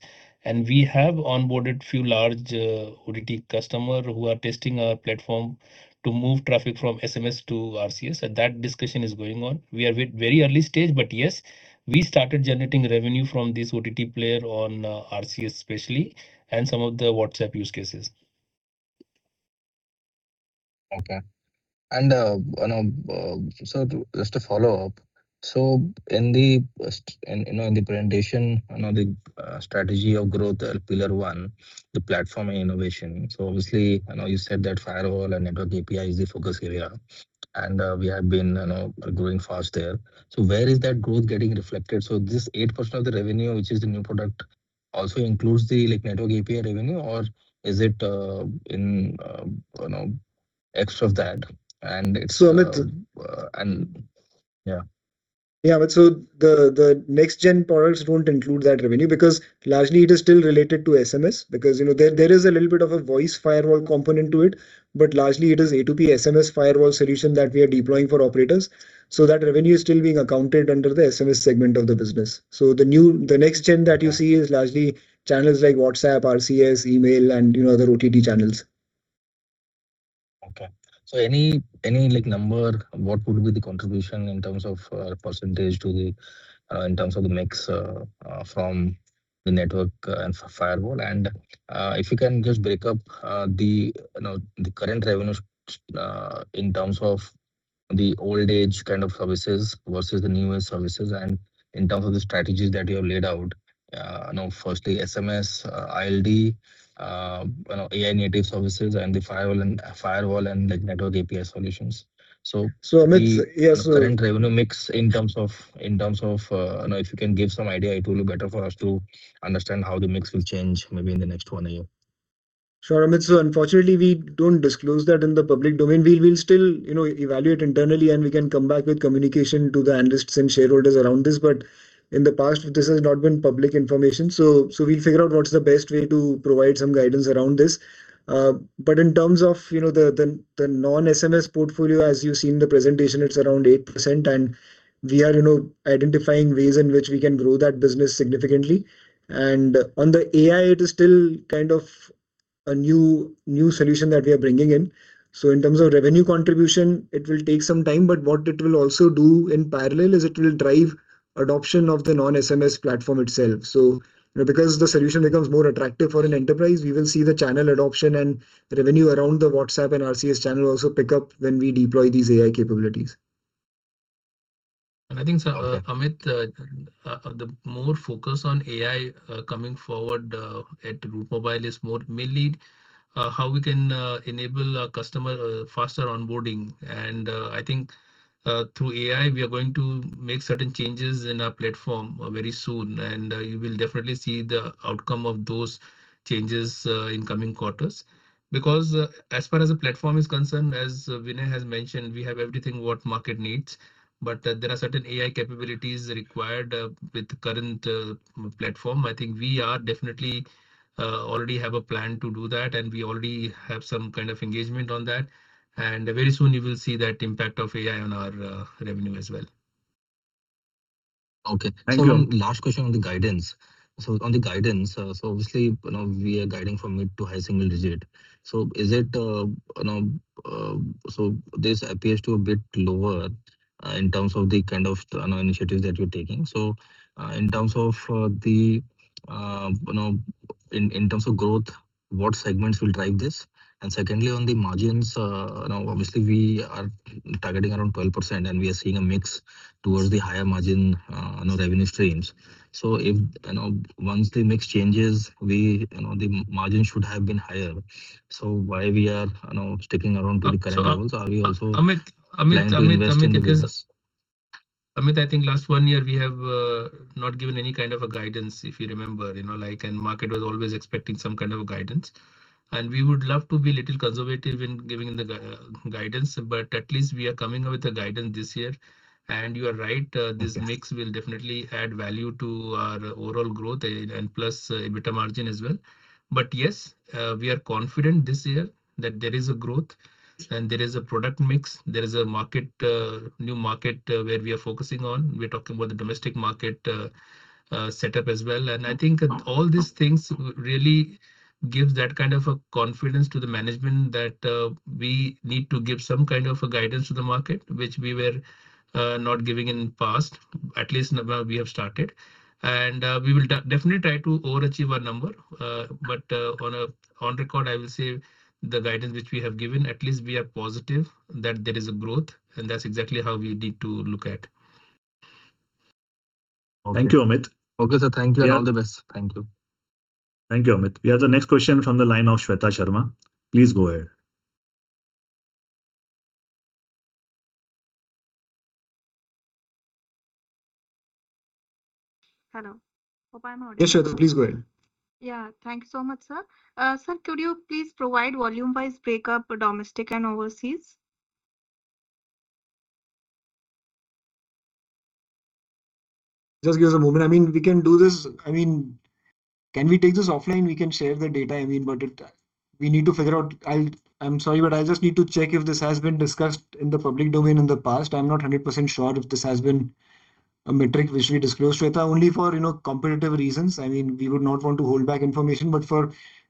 We have onboarded few large OTT customer who are testing our platform to move traffic from SMS to RCS, and that discussion is going on. We are very early stage but yes, we started generating revenue from this OTT player on RCS especially, and some of the WhatsApp use cases. Okay. Just to follow up. In, you know, in the presentation, you know, the strategy of growth, pillar one, the Platform Innovation. Obviously, you know, you said that firewall and Network API is the focus area. We have been growing fast there. Where is that growth getting reflected? This 8% of the revenue which is the new product also includes the, like, network API revenue, or is it in, you know, x of that? Amit. Yeah. The next gen products won't include that revenue because largely it is still related to SMS because, you know, there is a little bit of a voice firewall component to it but largely it is A2P SMS firewall solution that we are deploying for operators. That revenue is still being accounted under the SMS segment of the business. The new, the next gen that you see is largely channels like WhatsApp, RCS, email, and, you know, the OTT channels. Okay. Any like number, what would be the contribution in terms of percentage to the, in terms of the mix from the network and firewall? If you can just break up the, you know, the current revenue in terms of the old age kind of services versus the newer services and in terms of the strategies that you have laid out, you know, firstly SMS, ILD, you know, AI native services and the firewall and like network API solutions? Amit, yeah. The current revenue mix in terms of, you know, if you can give some idea, it will be better for us to understand how the mix will change maybe in the next one year. Sure, Amit. Unfortunately, we don't disclose that in the public domain. We will still, you know, evaluate internally, and we can come back with communication to the analysts and shareholders around this. In the past, this has not been public information. We'll figure out what's the best way to provide some guidance around this but in terms of, you know, the non-SMS portfolio, as you've seen the presentation, it's around 8%. We are, you know, identifying ways in which we can grow that business significantly. On the AI, it is still kind of a new solution that we are bringing in. In terms of revenue contribution, it will take some time, but what it will also do in parallel is it will drive adoption of the non-SMS platform itself. You know, because the solution becomes more attractive for an enterprise, we will see the channel adoption and revenue around the WhatsApp and RCS channel also pick up when we deploy these AI capabilities. I think, sir, Amit, the more focus on AI coming forward at Route Mobile is more mainly how we can enable a customer faster onboarding. I think through AI we are going to make certain changes in our platform very soon. You will definitely see the outcome of those changes in coming quarters because as far as the platform is concerned, as Vinay has mentioned, we have everything what market needs, but there are certain AI capabilities required with the current platform. I think we are definitely already have a plan to do that, and we already have some kind of engagement on that. Very soon you will see that impact of AI on our revenue as well. Okay. Thank you. Last question on the guidance. On the guidance, obviously, you know, we are guiding from mid to high single-digit. Is it, you know, this appears to a bit lower in terms of the kind of, you know, initiatives that you're taking. In terms of the, you know, in terms of growth, what segments will drive this? Secondly, on the margins, you know, obviously we are targeting around 12% and we are seeing a mix towards the higher margin, you know, revenue streams. If, you know, once the mix changes, we, you know, the margin should have been higher. Why we are, you know, sticking around to the current levels- Amit. Are we also planning to invest in this? Amit, it is. Amit, I think last one year we have not given any kind of a guidance, if you remember. You know, like market was always expecting some kind of a guidance. We would love to be little conservative in giving the guidance, at least we are coming up with a guidance this year and you are right, Okay This mix will definitely add value to our overall growth and plus EBITDA margin as well. Yes, we are confident this year that there is a growth and there is a product mix. There is a market, new market, where we are focusing on. We're talking about the domestic market setup as well. I think all these things really gives that kind of a confidence to the management that we need to give some kind of a guidance to the market which we were not giving in past. At least now we have started. We will definitely try to overachieve our number. On a, on record, I will say the guidance which we have given, at least we are positive that there is a growth, and that's exactly how we need to look at. Thank you, Amit. Okay, sir. Thank you. Yeah. All the best. Thank you. Thank you, Amit. We have the next question from the line of Shweta Sharma. Please go ahead. Hello. Hope I'm audible. Yes, Shweta, please go ahead. Yeah. Thank you so much, sir. Sir, could you please provide volume-wise breakup domestic and overseas? Just give us a moment. I mean, we can do this. I mean, can we take this offline? We can share the data, I mean, but it, we need to figure out I'm sorry, but I just need to check if this has been discussed in the public domain in the past. I'm not 100% sure if this has been a metric which we disclosed, Shweta. Only for, you know, competitive reasons. I mean, we would not want to hold back information but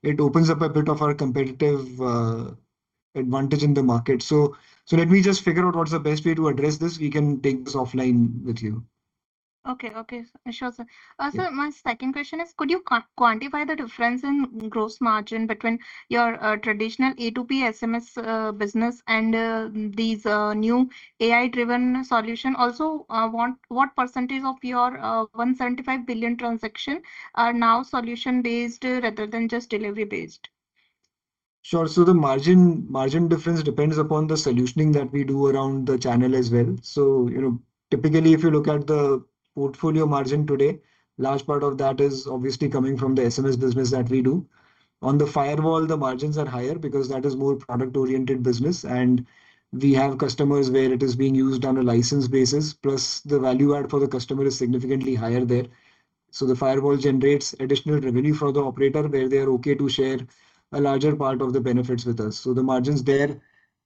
it opens up a bit of our competitive advantage in the market. Let me just figure out what is the best way to address this. We can take this offline with you. Okay. Okay, sure, sir. Sir, my second question is, could you quantify the difference in gross margin between your traditional A2P SMS business and these new AI-driven solution? What percentage of your 175 billion transaction are now solution-based rather than just delivery-based? Sure. The margin difference depends upon the solutioning that we do around the channel as well. You know, typically, if you look at the portfolio margin today, large part of that is obviously coming from the SMS business that we do. On the firewall, the margins are higher because that is more product-oriented business and we have customers where it is being used on a license basis, plus the value add for the customer is significantly higher there. The firewall generates additional revenue for the operator, where they are okay to share a larger part of the benefits with us. The margins there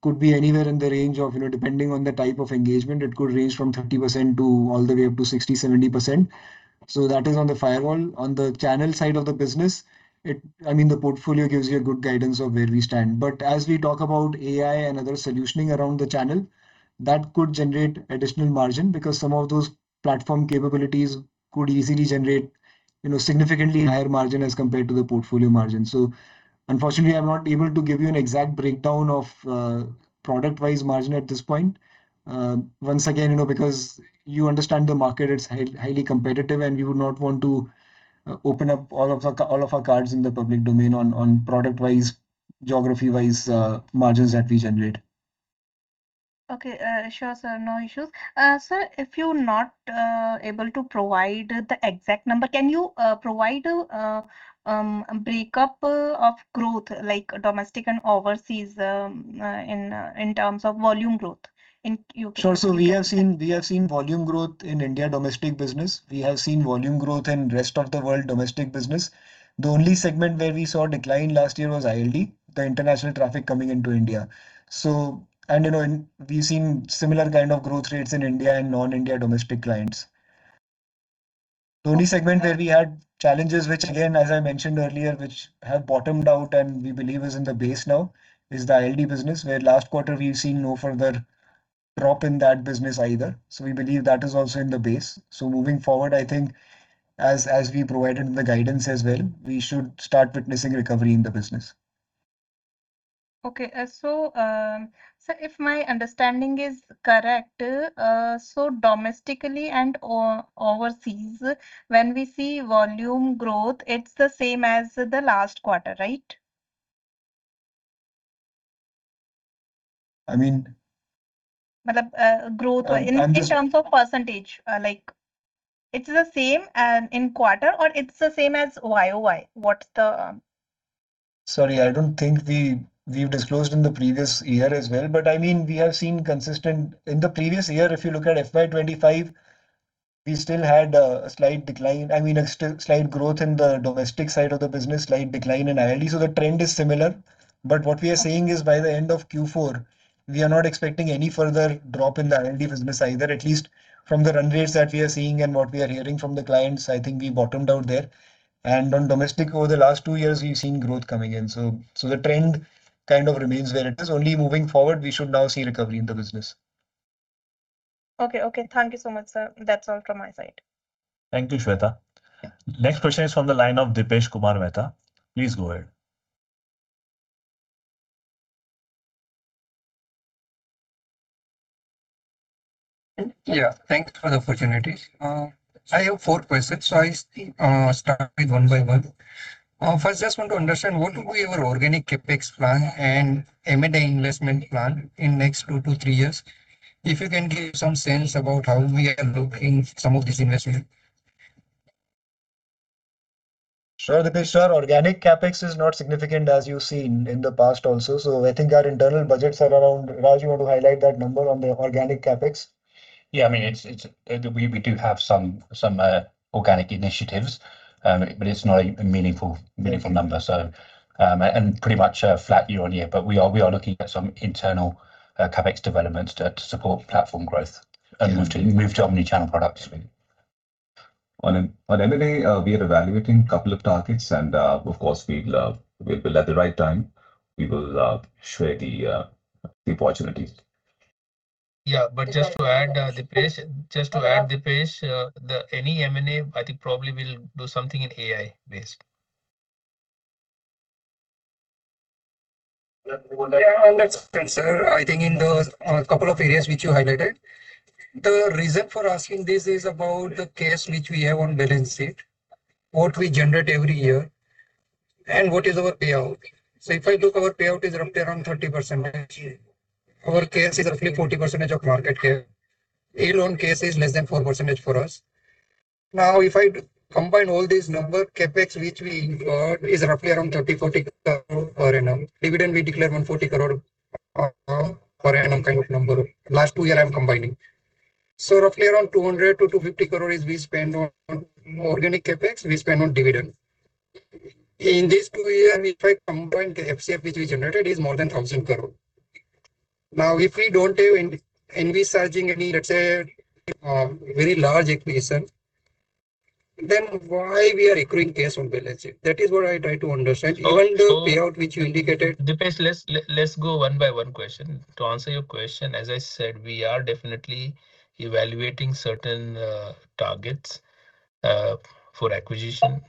could be anywhere in the range of, you know, depending on the type of engagement, it could range from 30% to all the way up to 60%, 70%. That is on the firewall. On the channel side of the business, I mean, the portfolio gives you a good guidance of where we stand. As we talk about AI and other solutioning around the channel, that could generate additional margin because some of those platform capabilities could easily generate, you know, significantly higher margin as compared to the portfolio margin. Unfortunately, I'm not able to give you an exact breakdown of product-wise margin at this point. Once again, you know, because you understand the market, it's highly competitive, and we would not want to open up all of our cards in the public domain on product-wise, geography-wise, margins that we generate. Okay. Sure, sir. No issues. Sir, if you're not able to provide the exact number, can you provide a breakup of growth, like domestic and overseas, in terms of volume growth in Q-? Sure. We have seen volume growth in India domestic business. We have seen volume growth in rest of the world domestic business. The only segment where we saw decline last year was ILD, the international traffic coming into India. You know, and we've seen similar kind of growth rates in India and non-India domestic clients. The only segment where we had challenges which again, as I mentioned earlier, which have bottomed out and we believe is in the base now, is the ILD business, where last quarter we've seen no further drop in that business either. We believe that is also in the base. Moving forward, I think as we provided in the guidance as well, we should start witnessing recovery in the business. Okay. If my understanding is correct, domestically and overseas, when we see volume growth, it's the same as the last quarter, right? I mean. Like, growth or in terms of percentage, like it's the same, in quarter or it's the same as YoY? What's the? Sorry, I don't think we've disclosed in the previous year as well, but I mean, we have seen consistent In the previous year, if you look at FY 2025, we still had a slight decline, I mean, a still slight growth in the domestic side of the business, slight decline in ILD. The trend is similar. What we are saying is by the end of Q4, we are not expecting any further drop in the ILD business either, at least from the run rates that we are seeing and what we are hearing from the clients, I think we bottomed out there. On domestic, over the last two years we've seen growth coming in. The trend remains where it is. Only moving forward, we should now see recovery in the business. Okay. Thank you so much, sir. That's all from my side. Thank you, Shweta. Next question is from the line of Dipesh Kumar Mehta. Please go ahead. Yeah, thanks for the opportunity. I have four questions. I start with one by one. First, just want to understand what will be your organic CapEx plan and M&A investment plan in next two to three years. If you can give some sense about how we are looking some of these investment. Sure, Dipesh, sir. Organic CapEx is not significant as you've seen in the past also. I think our internal budgets are around Raj, you want to highlight that number on the organic CapEx? I mean, it's We do have some organic initiatives but it's not a meaningful number. Pretty much flat year-on-year. We are looking at some internal CapEx developments to support platform growth and move to omni-channel products. On M&A, we are evaluating two targets and of course we will at the right time, we will share the opportunities. Yeah. Just to add, Dipesh, the any M&A I think probably we'll do something in AI based. Yeah. That's fine, sir. I think in those couple of areas which you highlighted, the reason for asking this is about the cash which we have on balance sheet, what we generate every year, and what is our payout. If I look, our payout is roughly around 30%. Our cash is roughly 40% of market cap. Yield on cash is less than 4% for us. If I combine all these number, CapEx, which we got is roughly around 30 crore-40 crore per annum. Dividend, we declare 140 crore per annum kind of number. Last two year I'm combining. Roughly around 200 crore to 250 crore is we spend on organic CapEx, we spend on dividend. In these two year, if I combine the FCF which we generated is more than 1,000 crore. Now, if we don't have any, envisaging any, let's say, very large acquisition, then why we are accruing cash on balance sheet? That is what I try to understand. Dipesh, let's go one by one question. To answer your question, as I said, we are definitely evaluating certain targets for acquisition.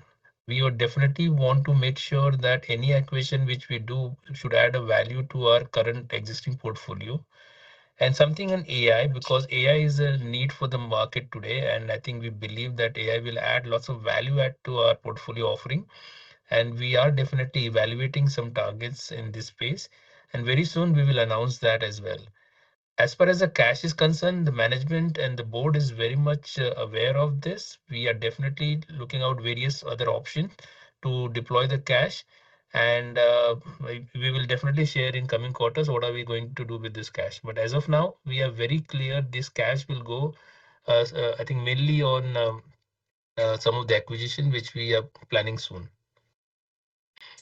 We would definitely want to make sure that any acquisition which we do should add a value to our current existing portfolio. Something in AI, because AI is a need for the market today, I think we believe that AI will add lots of value add to our portfolio offering, we are definitely evaluating some targets in this space and very soon we will announce that as well. As far as the cash is concerned, the management and the board is very much aware of this. We are definitely looking out various other option to deploy the cash and we will definitely share in coming quarters what are we going to do with this cash. As of now, we are very clear this cash will go, I think mainly on some of the acquisition which we are planning soon.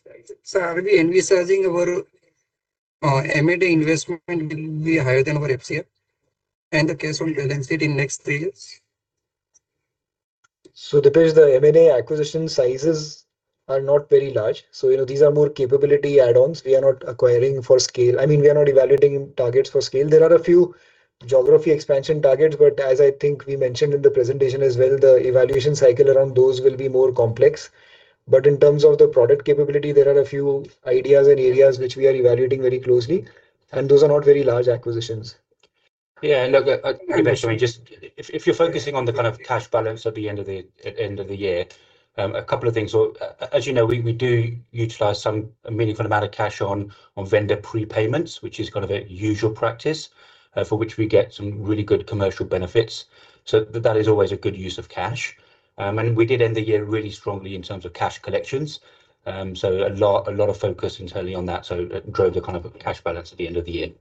Right. Are we envisaging our M&A investment will be higher than our FCF and the cash on balance sheet in next three years? Dipesh, the M&A acquisition sizes are not very large. You know, these are more capability add-ons. We are not acquiring for scale. I mean, we are not evaluating targets for scale. There are a few geography expansion targets, but as I think we mentioned in the presentation as well, the evaluation cycle around those will be more complex. In terms of the product capability, there are a few ideas and areas which we are evaluating very closely, and those are not very large acquisitions. Yeah. Look, Dipesh, if you're focusing on the kind of cash balance at the end of the year, a couple of things. As you know, we do utilize a meaningful amount of cash on vendor prepayments, which is kind of a usual practice, for which we get some really good commercial benefits. That is always a good use of cash. We did end the year really strongly in terms of cash collections. A lot of focus internally on that. It drove the kind of cash balance at the end of the year.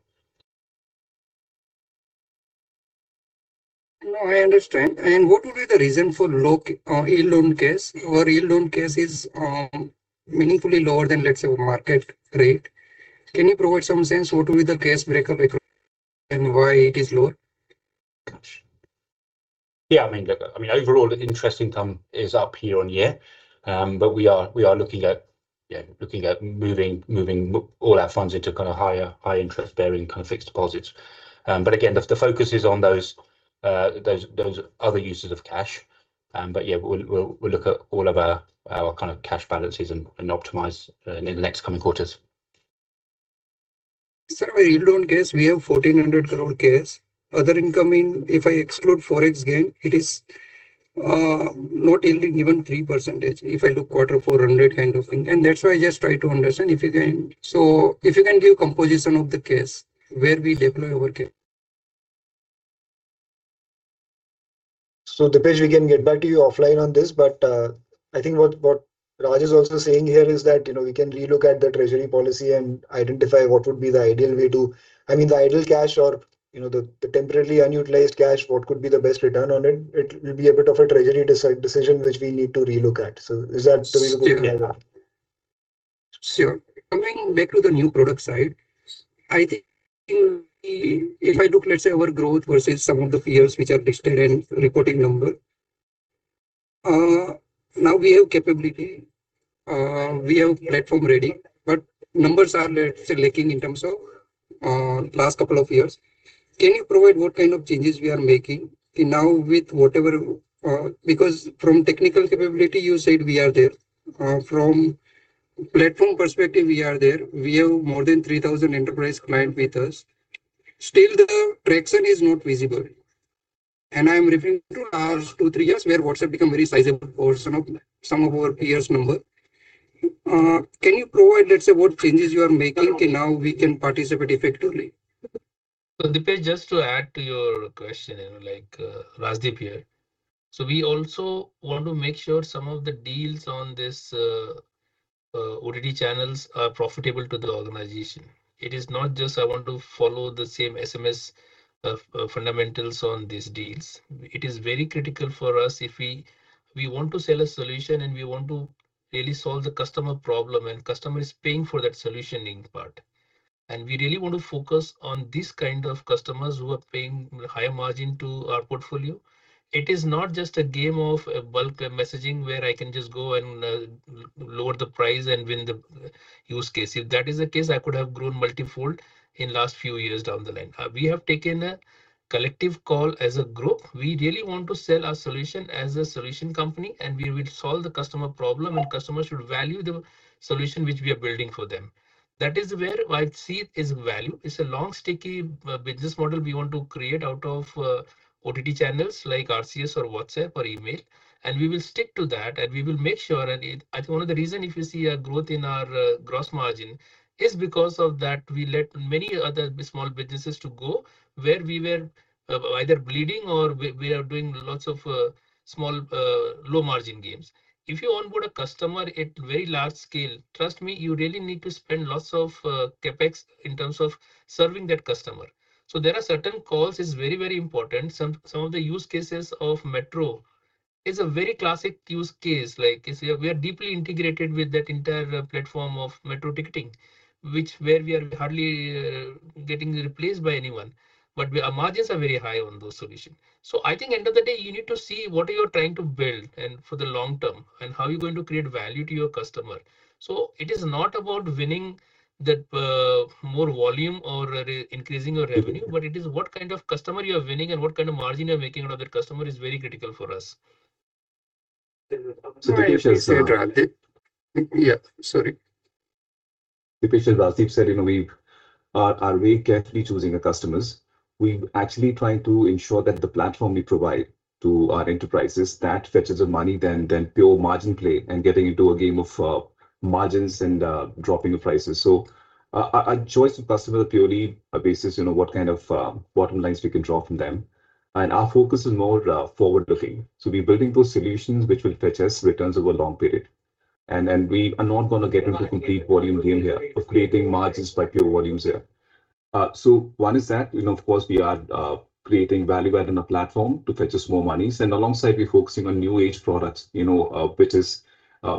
No, I understand. What would be the reason for low yield on cash? Our yield on cash is meaningfully lower than, let's say, market rate. Can you provide some sense what will be the cash breakup and why it is lower? Yeah, I mean, look, I mean overall interest income is up year on year. We are looking at, yeah, looking at moving all our funds into kind of higher high interest bearing kind of fixed deposits. Again, the focus is on those- Those are other uses of cash. Yeah, we'll look at all of our kind of cash balances and optimize in the next coming quarters. Sir, our yield on cash, we have 1,400 crore cash. Other income in, if I exclude Forex gain, it is not yielding even 3% if I look quarter-over-quarter kind of thing. That's why I just try to understand if you can give composition of the cash, where we deploy [our]. Dipesh, we can get back to you offline on this. I think what Raj is also saying here is that, you know, we can relook at the treasury policy and identify what would be the ideal way to I mean, the idle cash or, you know, the temporarily unutilized cash, what could be the best return on it. It will be a bit of a treasury decision which we need to relook at. Sure. Sure. Coming back to the new product side, I think if I look, let's say our growth versus some of the peers which are listed in reporting number, now we have capability, we have platform ready but numbers are lacking in terms of last couple of years. Can you provide what kind of changes we are making now with whatever, because from technical capability, you said we are there. From platform perspective, we are there. We have more than 3,000 enterprise client with us. Still the traction is not visible. I'm referring to last two, three years where WhatsApp become very sizable for some of our peers number. Can you provide, let's say, what changes you are making and now we can participate effectively? Dipesh, just to add to your question, you know, like Rajdip here. We also want to make sure some of the deals on this OTT channels are profitable to the organization. It is not just I want to follow the same SMS fundamentals on these deals. It is very critical for us if we want to sell a solution and we want to really solve the customer problem and customer is paying for that solution in part. We really want to focus on these kind of customers who are paying higher margin to our portfolio. It is not just a game of bulk messaging where I can just go and lower the price and win the use case. If that is the case, I could have grown multifold in last few years down the line. We have taken a collective call as a group. We really want to sell our solution as a solution company, and we will solve the customer problem and customers should value the solution which we are building for them. That is where I see it is value. It's a long sticky business model we want to create out of OTT channels like RCS or WhatsApp or email, and we will stick to that and we will make sure I think one of the reason if you see a growth in our gross margin is because of that we let many other small businesses to go where we were either bleeding or we are doing lots of small low margin games. If you onboard a customer at very large scale, trust me, you really need to spend lots of CapEx in terms of serving that customer. There are certain calls is very, very important. Some of the use cases of Metro is a very classic use case. Like if we are, we are deeply integrated with that entire platform of Metro ticketing which where we are hardly getting replaced by anyone but our margins are very high on those solution. I think end of the day, you need to see what are you trying to build and for the long term, and how are you going to create value to your customer. It is not about winning that more volume or re-increasing your revenue. It is what kind of customer you are winning and what kind of margin you're making out of that customer is very critical for us. Sorry. Dipesh. Yeah. Sorry. Dipesh, as Rajdeep said, you know, we are very carefully choosing our customers. We actually trying to ensure that the platform we provide to our enterprises, that fetches the money than pure margin play and getting into a game of margins and dropping of prices. Our choice of customer are purely basis, you know, what kind of bottom lines we can draw from them. Our focus is more forward-looking. We're building those solutions which will fetch us returns over long period. We are not gonna get into complete volume game here of creating margins by pure volumes here. One is that, you know, of course, we are creating value add in our platform to fetch us more monies. Alongside, we're focusing on new age products, you know, which is,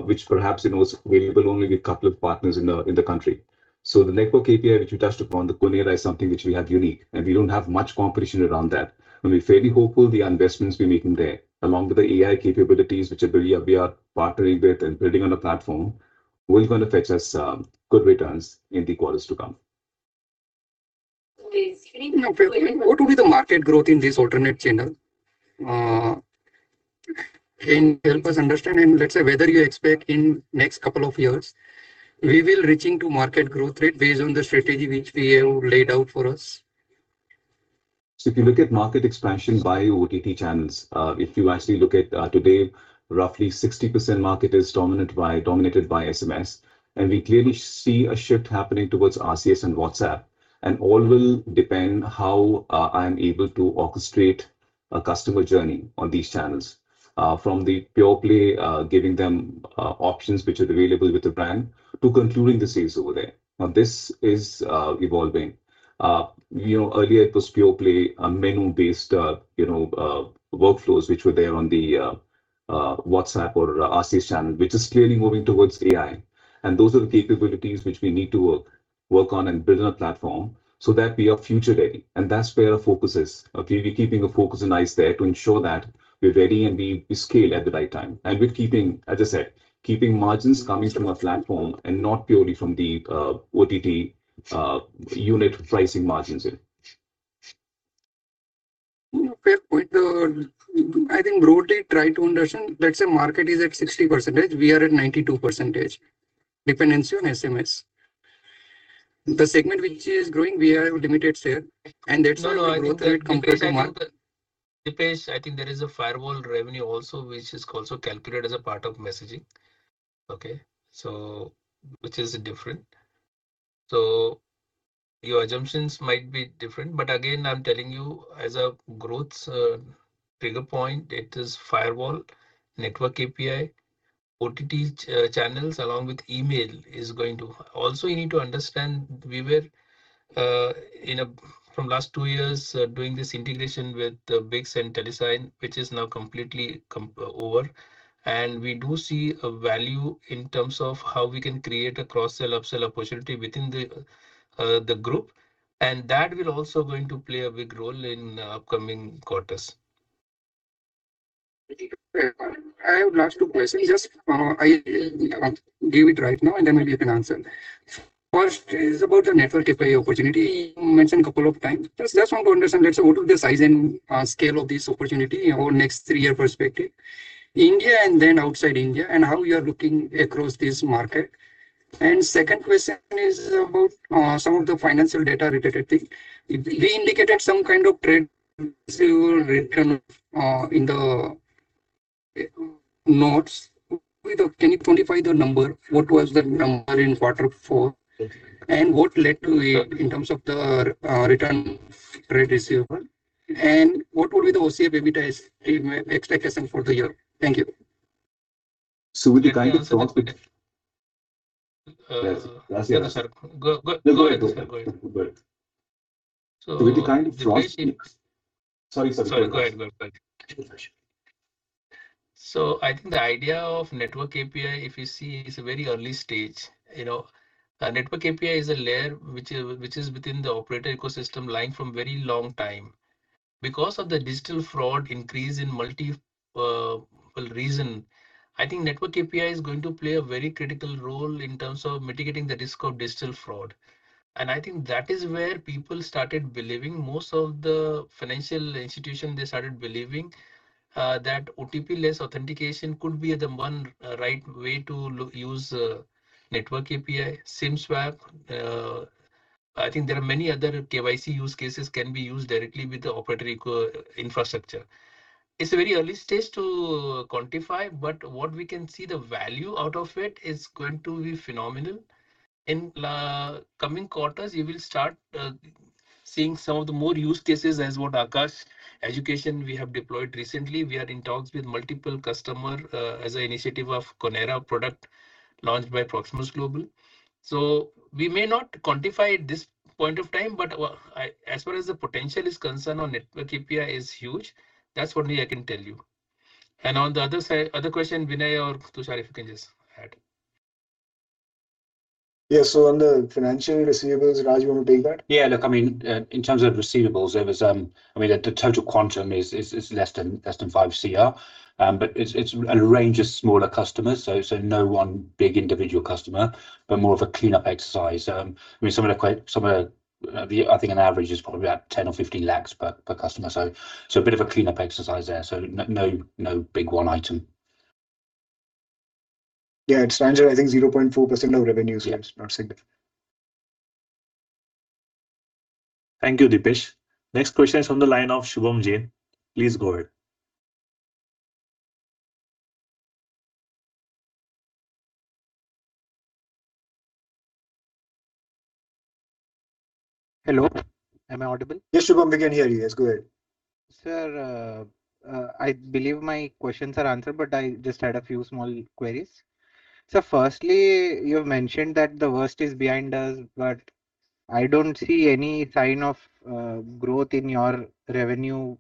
which perhaps, you know, is available only with couple of partners in the country. The network API which you touched upon, the Konera is something which we have unique, and we don't have much competition around that. We're fairly hopeful the investments we're making there, along with the AI capabilities which are building on the platform, will gonna fetch us good returns in the quarters to come. Now, what would be the market growth in this alternate channel? Can you help us understand and let's say whether you expect in next couple of years we will reaching to market growth rate based on the strategy which we have laid out for us? If you look at market expansion by OTT channels, if you actually look at today, roughly 60% market is dominated by SMS, and we clearly see a shift happening towards RCS and WhatsApp, and all will depend how I'm able to orchestrate a customer journey on these channels. From the pure play, giving them options which are available with the brand to concluding the sales over there. This is evolving. You know, earlier it was pure play, a menu-based, you know, workflows which were there on the WhatsApp or RCS channel which is clearly moving towards AI. Those are the capabilities which we need to work on and build on our platform so that we are future ready. That's where our focus is. Okay. We're keeping a focus and eyes there to ensure that we're ready and we scale at the right time. We're keeping, as I said, keeping margins coming from our platform and not purely from the OTT unit pricing margins in. Fair point. I think broadly try to understand, let's say market is at 60%, we are at 92% dependency on SMS. The segment which is growing, we have limited share, that's our growth rate compressing on- Dipesh, I think there is a firewall revenue also which is also calculated as a part of messaging. Okay. Which is different. Your assumptions might be different but again, I am telling you as a growth trigger point, it is firewall, network API, OTT channels, along with email is going to. You need to understand, we were from last two years doing this integration with the BICS and Telesign, which is now completely over. We do see a value in terms of how we can create a cross-sell, up-sell opportunity within the group. That will also going to play a big role in upcoming quarters. I have last two questions. Just I give it right now, and then maybe you can answer. First is about the Network API opportunity you mentioned a couple of times. Just want to understand, let's say, what is the size and scale of this opportunity over next three-year perspective, India and then outside India, and how you are looking across this market. Second question is about some of the financial data related thing. We indicated some kind of trade receivable return in the notes. Can you quantify the number? What was the number in forth quarter? What led to it in terms of the return trade receivable? What will be the OCF/EBITDA ex-expectation for the year? Thank you. So with the kind of fraud-, Can I answer that quick? Yes. No, sir. Go ahead, sir. Go ahead. No, go ahead. Go ahead. Sorry. Sorry. Go ahead. Go ahead. Sure. I think the idea of network API, if you see, is a very early stage. You know, a network API is a layer which is within the operator ecosystem lying from very long time because of the digital fraud increase in multiple reason, I think network API is going to play a very critical role in terms of mitigating the risk of digital fraud. I think that is where people started believing, most of the financial institution, they started believing that OTP-less authentication could be the one right way to use network API. SIM swap, I think there are many other KYC use cases can be used directly with the operator infrastructure. It's a very early stage to quantify, but what we can see the value out of it is going to be phenomenal. In coming quarters, you will start seeing some of the more use cases as what Aakash Educational Services we have deployed recently. We are in talks with multiple customer as a initiative of Konera product launched by Proximus Global. We may not quantify at this point of time but as far as the potential is concerned on network API is huge. That's what only I can tell you. On the other side, other question, Vinay or Tushar, if you can just add. Yeah. On the financial receivables, Raj, you want to take that? Yeah. Look, I mean, in terms of receivables, there was, the total quantum is less than 5 crore. It's a range of smaller customers, so no one big individual customer but more of a cleanup exercise. I mean, some are quite, I think on average is probably about 10 lakhs or 15 lakhs per customer. A bit of a cleanup exercise there. No big one item. Yeah. It's range of, I think 0.4% of revenue. Yeah. It's not [significant]. Thank you, Dipesh. Next question is from the line of Shubham Jain. Please go ahead. Hello, am I audible? Yes, Shubham. We can hear you. Yes, go ahead. Sir, I believe my questions are answered, but I just had a few small queries. Sir, firstly, you've mentioned that the worst is behind us, but I don't see any sign of growth in your revenue.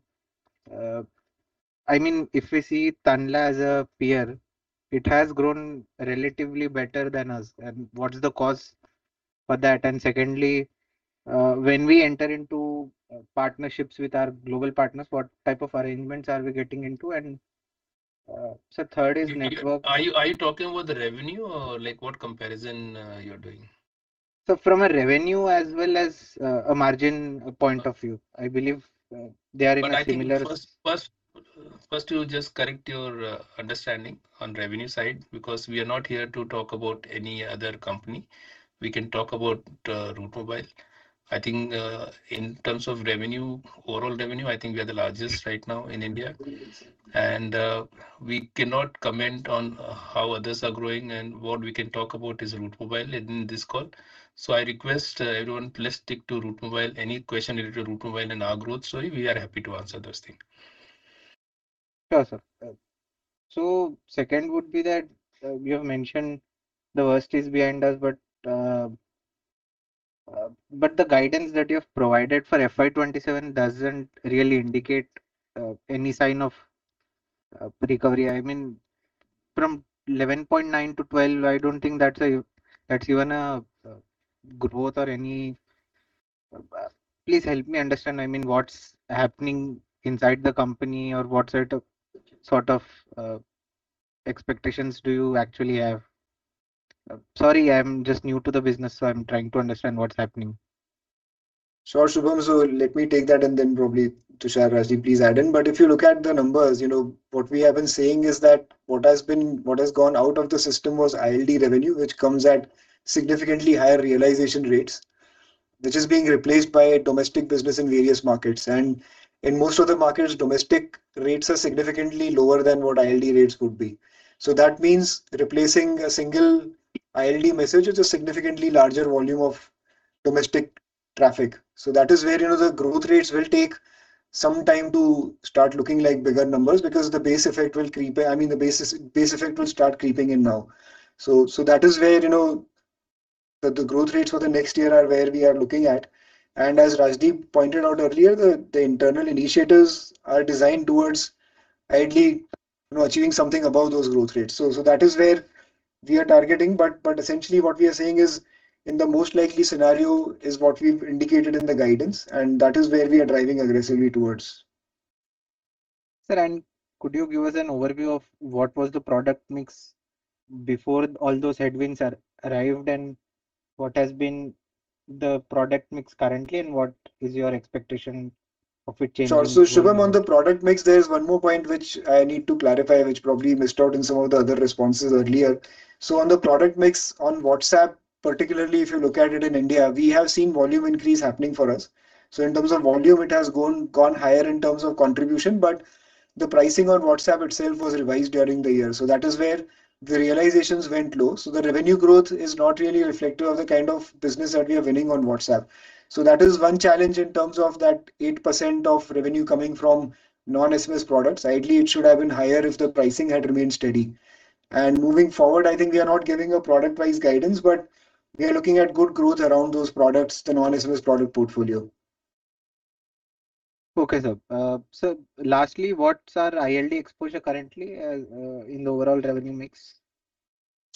I mean, if we see Tanla as a peer, it has grown relatively better than us. What's the cause for that? Secondly, when we enter into partnerships with our global partners, what type of arrangements are we getting into? Are you talking about the revenue or like what comparison you're doing? Sir, from a revenue as well as, a margin point of view. I believe, they are in a similar- I think first to just correct your understanding on revenue side, because we are not here to talk about any other company. We can talk about Route Mobile. I think, in terms of revenue, overall revenue, I think we are the largest right now in India. We cannot comment on how others are growing, and what we can talk about is Route Mobile in this call. I request everyone, please stick to Route Mobile. Any question related to Route Mobile and our growth story, we are happy to answer those things. Sure, sir. Second would be that, you have mentioned the worst is behind us, but the guidance that you have provided for FY 2027 doesn't really indicate any sign of recovery. I mean, from 11.9 to 12, I don't think that's even a growth or any. Please help me understand, I mean, what's happening inside the company or what sort of expectations do you actually have? Sorry, I'm just new to the business, so I'm trying to understand what's happening. Sure, Shubham. Let me take that and then probably Tushar, Rajdeep, please add in. If you look at the numbers, you know what we have been saying is that what has gone out of the system was ILD revenue, which comes at significantly higher realization rates which is being replaced by domestic business in various markets. In most of the markets, domestic rates are significantly lower than what ILD rates would be. That means replacing a single ILD message with a significantly larger volume of domestic traffic. That is where, you know, the growth rates will take some time to start looking like bigger numbers because the base effect will creep in, I mean the base effect will start creeping in now. That is where, you know, the growth rates for the next year are where we are looking at. As Rajdeep pointed out earlier, the internal initiatives are designed towards ideally, you know, achieving something above those growth rates. That is where we are targeting. Essentially what we are saying is in the most likely scenario is what we've indicated in the guidance and that is where we are driving aggressively towards. Sir, could you give us an overview of what was the product mix before all those headwinds arrived and what has been the product mix currently and what is your expectation of it changing going forward? Sure. Shubham, on the product mix, there is one more point which I need to clarify, which probably missed out in some of the other responses earlier. On the product mix on WhatsApp, particularly if you look at it in India, we have seen volume increase happening for us. In terms of volume, it has gone higher in terms of contribution but the pricing on WhatsApp itself was revised during the year. That is where the realizations went low. The revenue growth is not really reflective of the kind of business that we are winning on WhatsApp. That is one challenge in terms of that 8% of revenue coming from non-SMS products. Ideally, it should have been higher if the pricing had remained steady. Moving forward, I think we are not giving a product price guidance but we are looking at good growth around those products, the non-SMS product portfolio. Okay, sir. Sir, lastly, what's our ILD exposure currently in the overall revenue mix?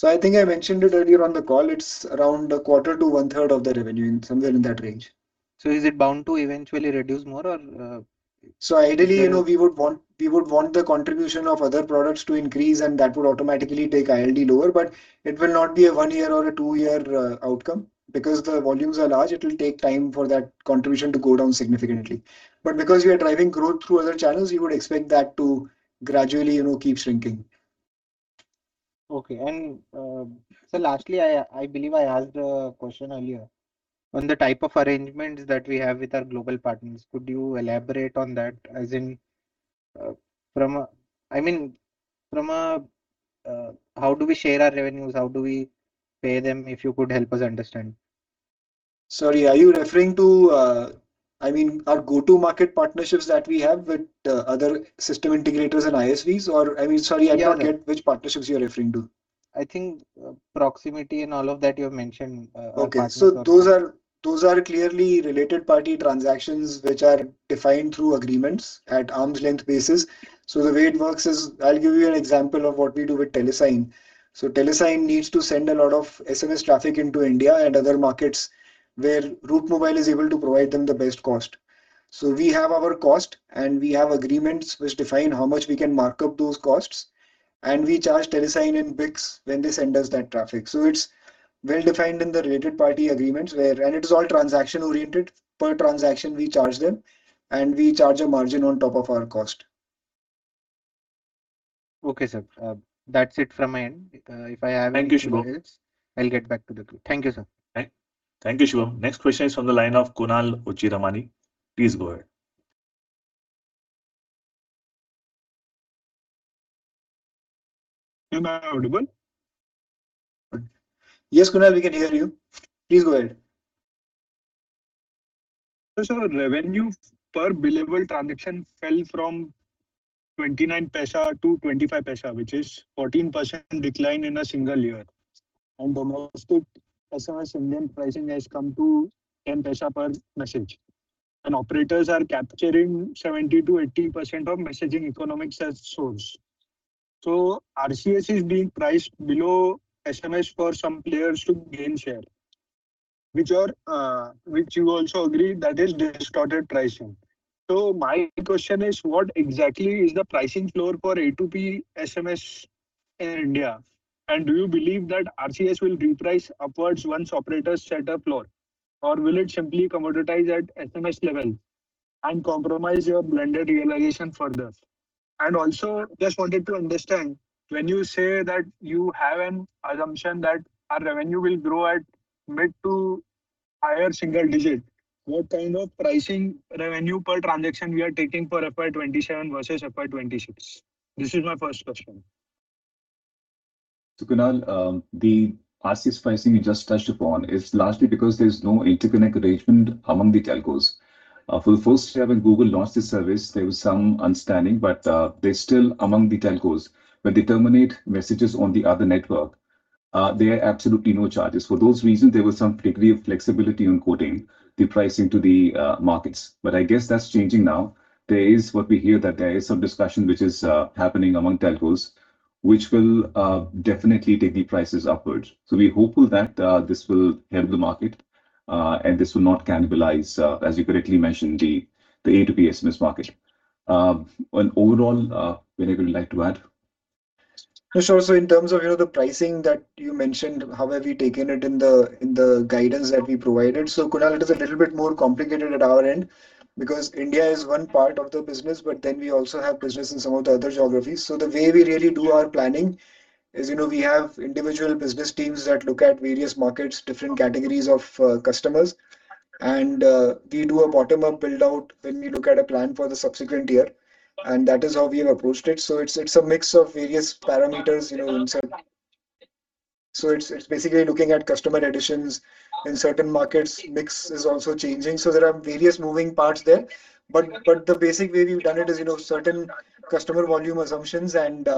I think I mentioned it earlier on the call. It's around a quarter to one-third of the revenue, somewhere in that range. Is it bound to eventually reduce more or? Ideally, you know, we would want the contribution of other products to increase and that would automatically take ILD lower, but it will not be a one-year or a two-year outcome because the volumes are large it will take time for that contribution to go down significantly. But because we are driving growth through other channels, we would expect that to gradually, you know, keep shrinking. Okay. Sir, lastly, I believe I asked a question earlier on the type of arrangements that we have with our global partners. Could you elaborate on that as in, I mean from a how do we share our revenues? How do we pay them? If you could help us understand. Sorry, are you referring to, I mean our go-to market partnerships that we have with, other System Integrators and ISVs or I mean, sorry, I don't get which partnerships you're referring to? I think proximity and all of that you have mentioned, our partners are. Okay. Those are clearly related party transactions which are defined through agreements at arm's length basis. The way it works is, I'll give you an example of what we do with Telesign. Telesign needs to send a lot of SMS traffic into India and other markets where Route Mobile is able to provide them the best cost. We have our cost and we have agreements which define how much we can mark up those costs and we charge Telesign and BICS when they send us that traffic. It's well defined in the related party agreements and it is all transaction-oriented. Per transaction we charge them and we charge a margin on top of our cost. Okay, sir. That's it from my end. Thank you, Shubham. I'll get back to the queue. Thank you, sir. Thank you, Shubham. Next question is from the line of Kunal Ochiramani. Please go ahead. Am I audible? Yes, Kunal, we can hear you. Please go ahead. Sir, revenue per billable transaction fell from 0.29 to 0.25, which is 14% decline in a single year. On domestic SMS, Indian pricing has come to 0.10 per message and operators are capturing 70% to 80% of messaging economics as source. RCS is being priced below SMS for some players to gain share, which are, which you also agree that is distorted pricing. My question is, what exactly is the pricing floor for A2P SMS in India? Do you believe that RCS will reprice upwards once operators set a floor? Will it simply commoditize at SMS level and compromise your blended realization further? Also just wanted to understand, when you say that you have an assumption that our revenue will grow at mid to higher single-digit, what kind of pricing revenue per transaction we are taking for FY 2027 versus FY 2026? This is my first question. Kunal, the RCS pricing you just touched upon is largely because there's no interconnect arrangement among the telcos. For the first year when Google launched this service, there was some understanding, there's still among the telcos. When they terminate messages on the other network, there are absolutely no charges. For those reasons, there was some degree of flexibility in quoting the pricing to the markets. I guess that's changing now. What we hear, that there is some discussion which is happening among telcos, which will definitely take the prices upwards. We're hopeful that this will help the market and this will not cannibalize, as you correctly mentioned, the A2P SMS market. Overall, Vinay, would you like to add? Sure. In terms of, you know, the pricing that you mentioned, how have you taken it in the, in the guidance that we provided. Kunal, it is a little bit more complicated at our end because India is one part of the business, but then we also have business in some of the other geographies. The way we really do our planning is, you know, we have individual business teams that look at various markets, different categories of customers. We do a bottom-up build-out when we look at a plan for the subsequent year. That is how we have approached it. It's a mix of various parameters, you know, in certain. It's basically looking at customer additions in certain markets. Mix is also changing, so there are various moving parts there. The basic way we've done it is, you know, certain customer volume assumptions and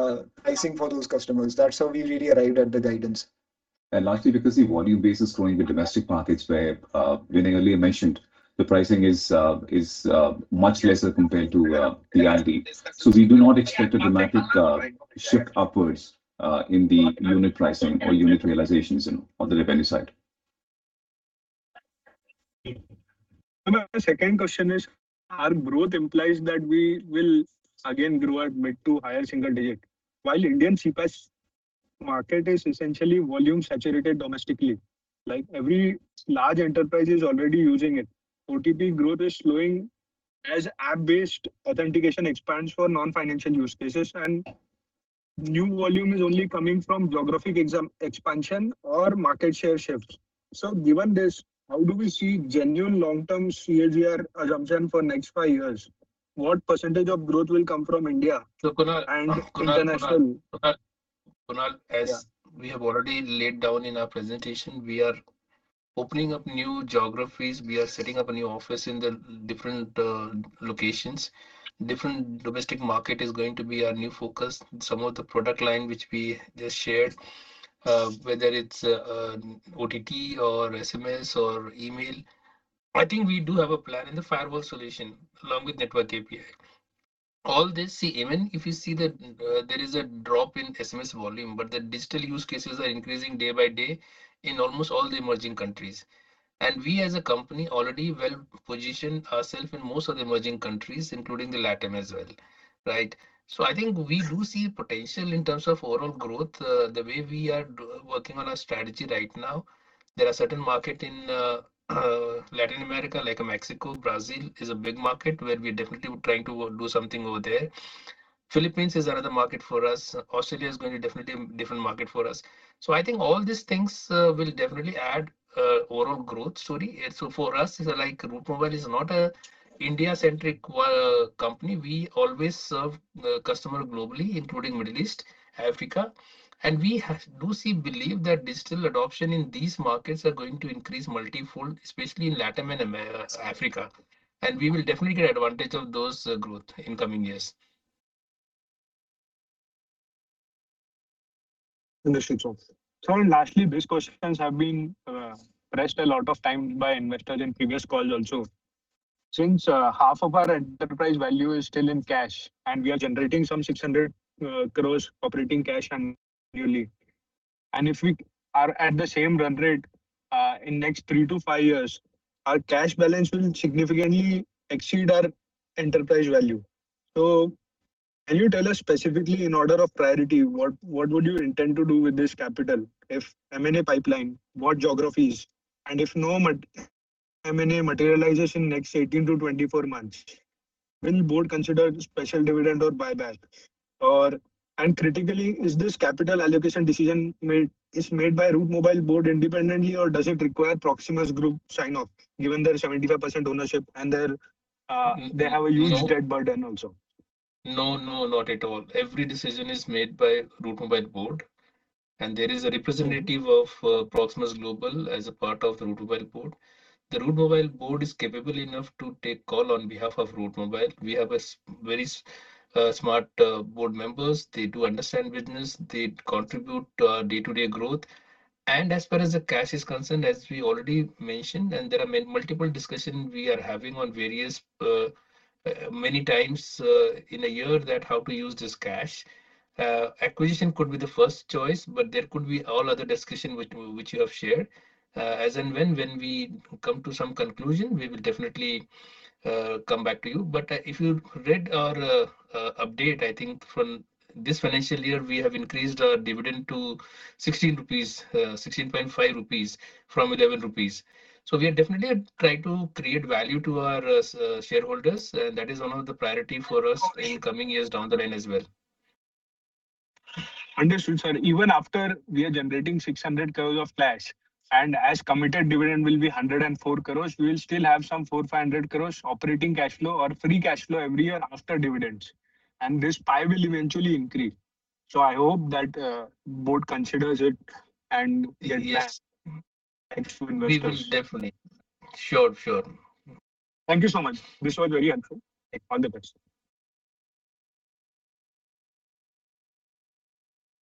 pricing for those customers. That's how we really arrived at the guidance. Lastly, because the volume base is growing the domestic markets where Vinay earlier mentioned, the pricing is much lesser compared to the ILD. We do not expect a dramatic shift upwards in the unit pricing or unit realizations, you know, on the revenue side. My second question is, our growth implies that we will again grow at mid-to-higher single digit. While Indian CPaaS market is essentially volume saturated domestically, like every large enterprise is already using it. OTP growth is slowing as app-based authentication expands for non-financial use cases, and new volume is only coming from geographic expansion or market share shifts. Given this, how do we see genuine long-term CAGR assumption for next five years? What percentage of growth will come from India? Kunal. And international- Kunal. Kunal, as we have already laid down in our presentation, we are opening up new geographies. We are setting up a new office in the different locations. Different domestic market is going to be our new focus. Some of the product line which we just shared, whether it's OTT or SMS or email, I think we do have a plan in the firewall solution along with network API. All this, see, even if you see that, there is a drop in SMS volume, but the digital use cases are increasing day by day in almost all the emerging countries. We as a company already well positioned ourself in most of the emerging countries, including the LATAM as well, right? I think we do see potential in terms of overall growth. The way we are working on our strategy right now, there are certain market in Latin America, like Mexico. Brazil is a big market where we definitely would try to do something over there. Philippines is another market for us. Australia is going to definitely different market for us. I think all these things will definitely add overall growth story. For us, like, Route Mobile is not a India-centric company. We always serve the customer globally, including Middle East, Africa. We believe that digital adoption in these markets are going to increase multifold, especially in LATAM and Africa. We will definitely get advantage of those growth in coming years. Understood, sir. Sir, lastly, these questions have been pressed a lot of times by investors in previous calls also. Since half of our enterprise value is still in cash, and we are generating some 600 crore operating cash annually. If we are at the same run rate, in next three to five years, our cash balance will significantly exceed our enterprise value. Can you tell us specifically in order of priority, what would you intend to do with this capital? If M&A pipeline, what geographies? If no M&A materialization next 18 to 24 months, will Board consider special dividend or buyback? Critically, is this capital allocation decision made by Route Mobile Board independently or does it require Proximus Group sign-off, given their 75% ownership and their, they have a huge debt burden also. No, no, not at all. Every decision is made by Route Mobile Board, and there is a representative of Proximus Global as a part of the Route Mobile Board. The Route Mobile Board is capable enough to take call on behalf of Route Mobile. We have a very smart board members. They do understand business. They contribute to our day-to-day growth. As far as the cash is concerned, as we already mentioned, there are multiple discussion we are having on various many times in a year that how to use this cash. Acquisition could be the first choice, but there could be all other discussion which you have shared. As and when we come to some conclusion, we will definitely come back to you. If you read our update, I think from this financial year, we have increased our dividend to 16 rupees, 16.5 rupees from 11 rupees. We are definitely trying to create value to our shareholders. That is one of the priority for us in coming years down the line as well. Understood, sir. Even after we are generating 600 crores of cash and as committed dividend will be 104 crores, we will still have some 400500 crores operating cash flow or free cash flow every year after dividends. This pie will eventually increase. I hope that Board considers it. Yes. Thanks to investors. We will definitely. Sure, sure. Thank you so much. This was very helpful. Thank you. All the best.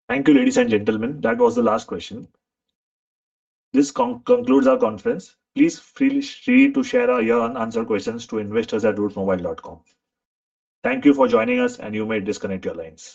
Thank you, ladies and gentlemen. That was the last question. This concludes our conference. Please feel free to share your unanswered questions to investors@routemobile.com. Thank you for joining us and you may disconnect your lines.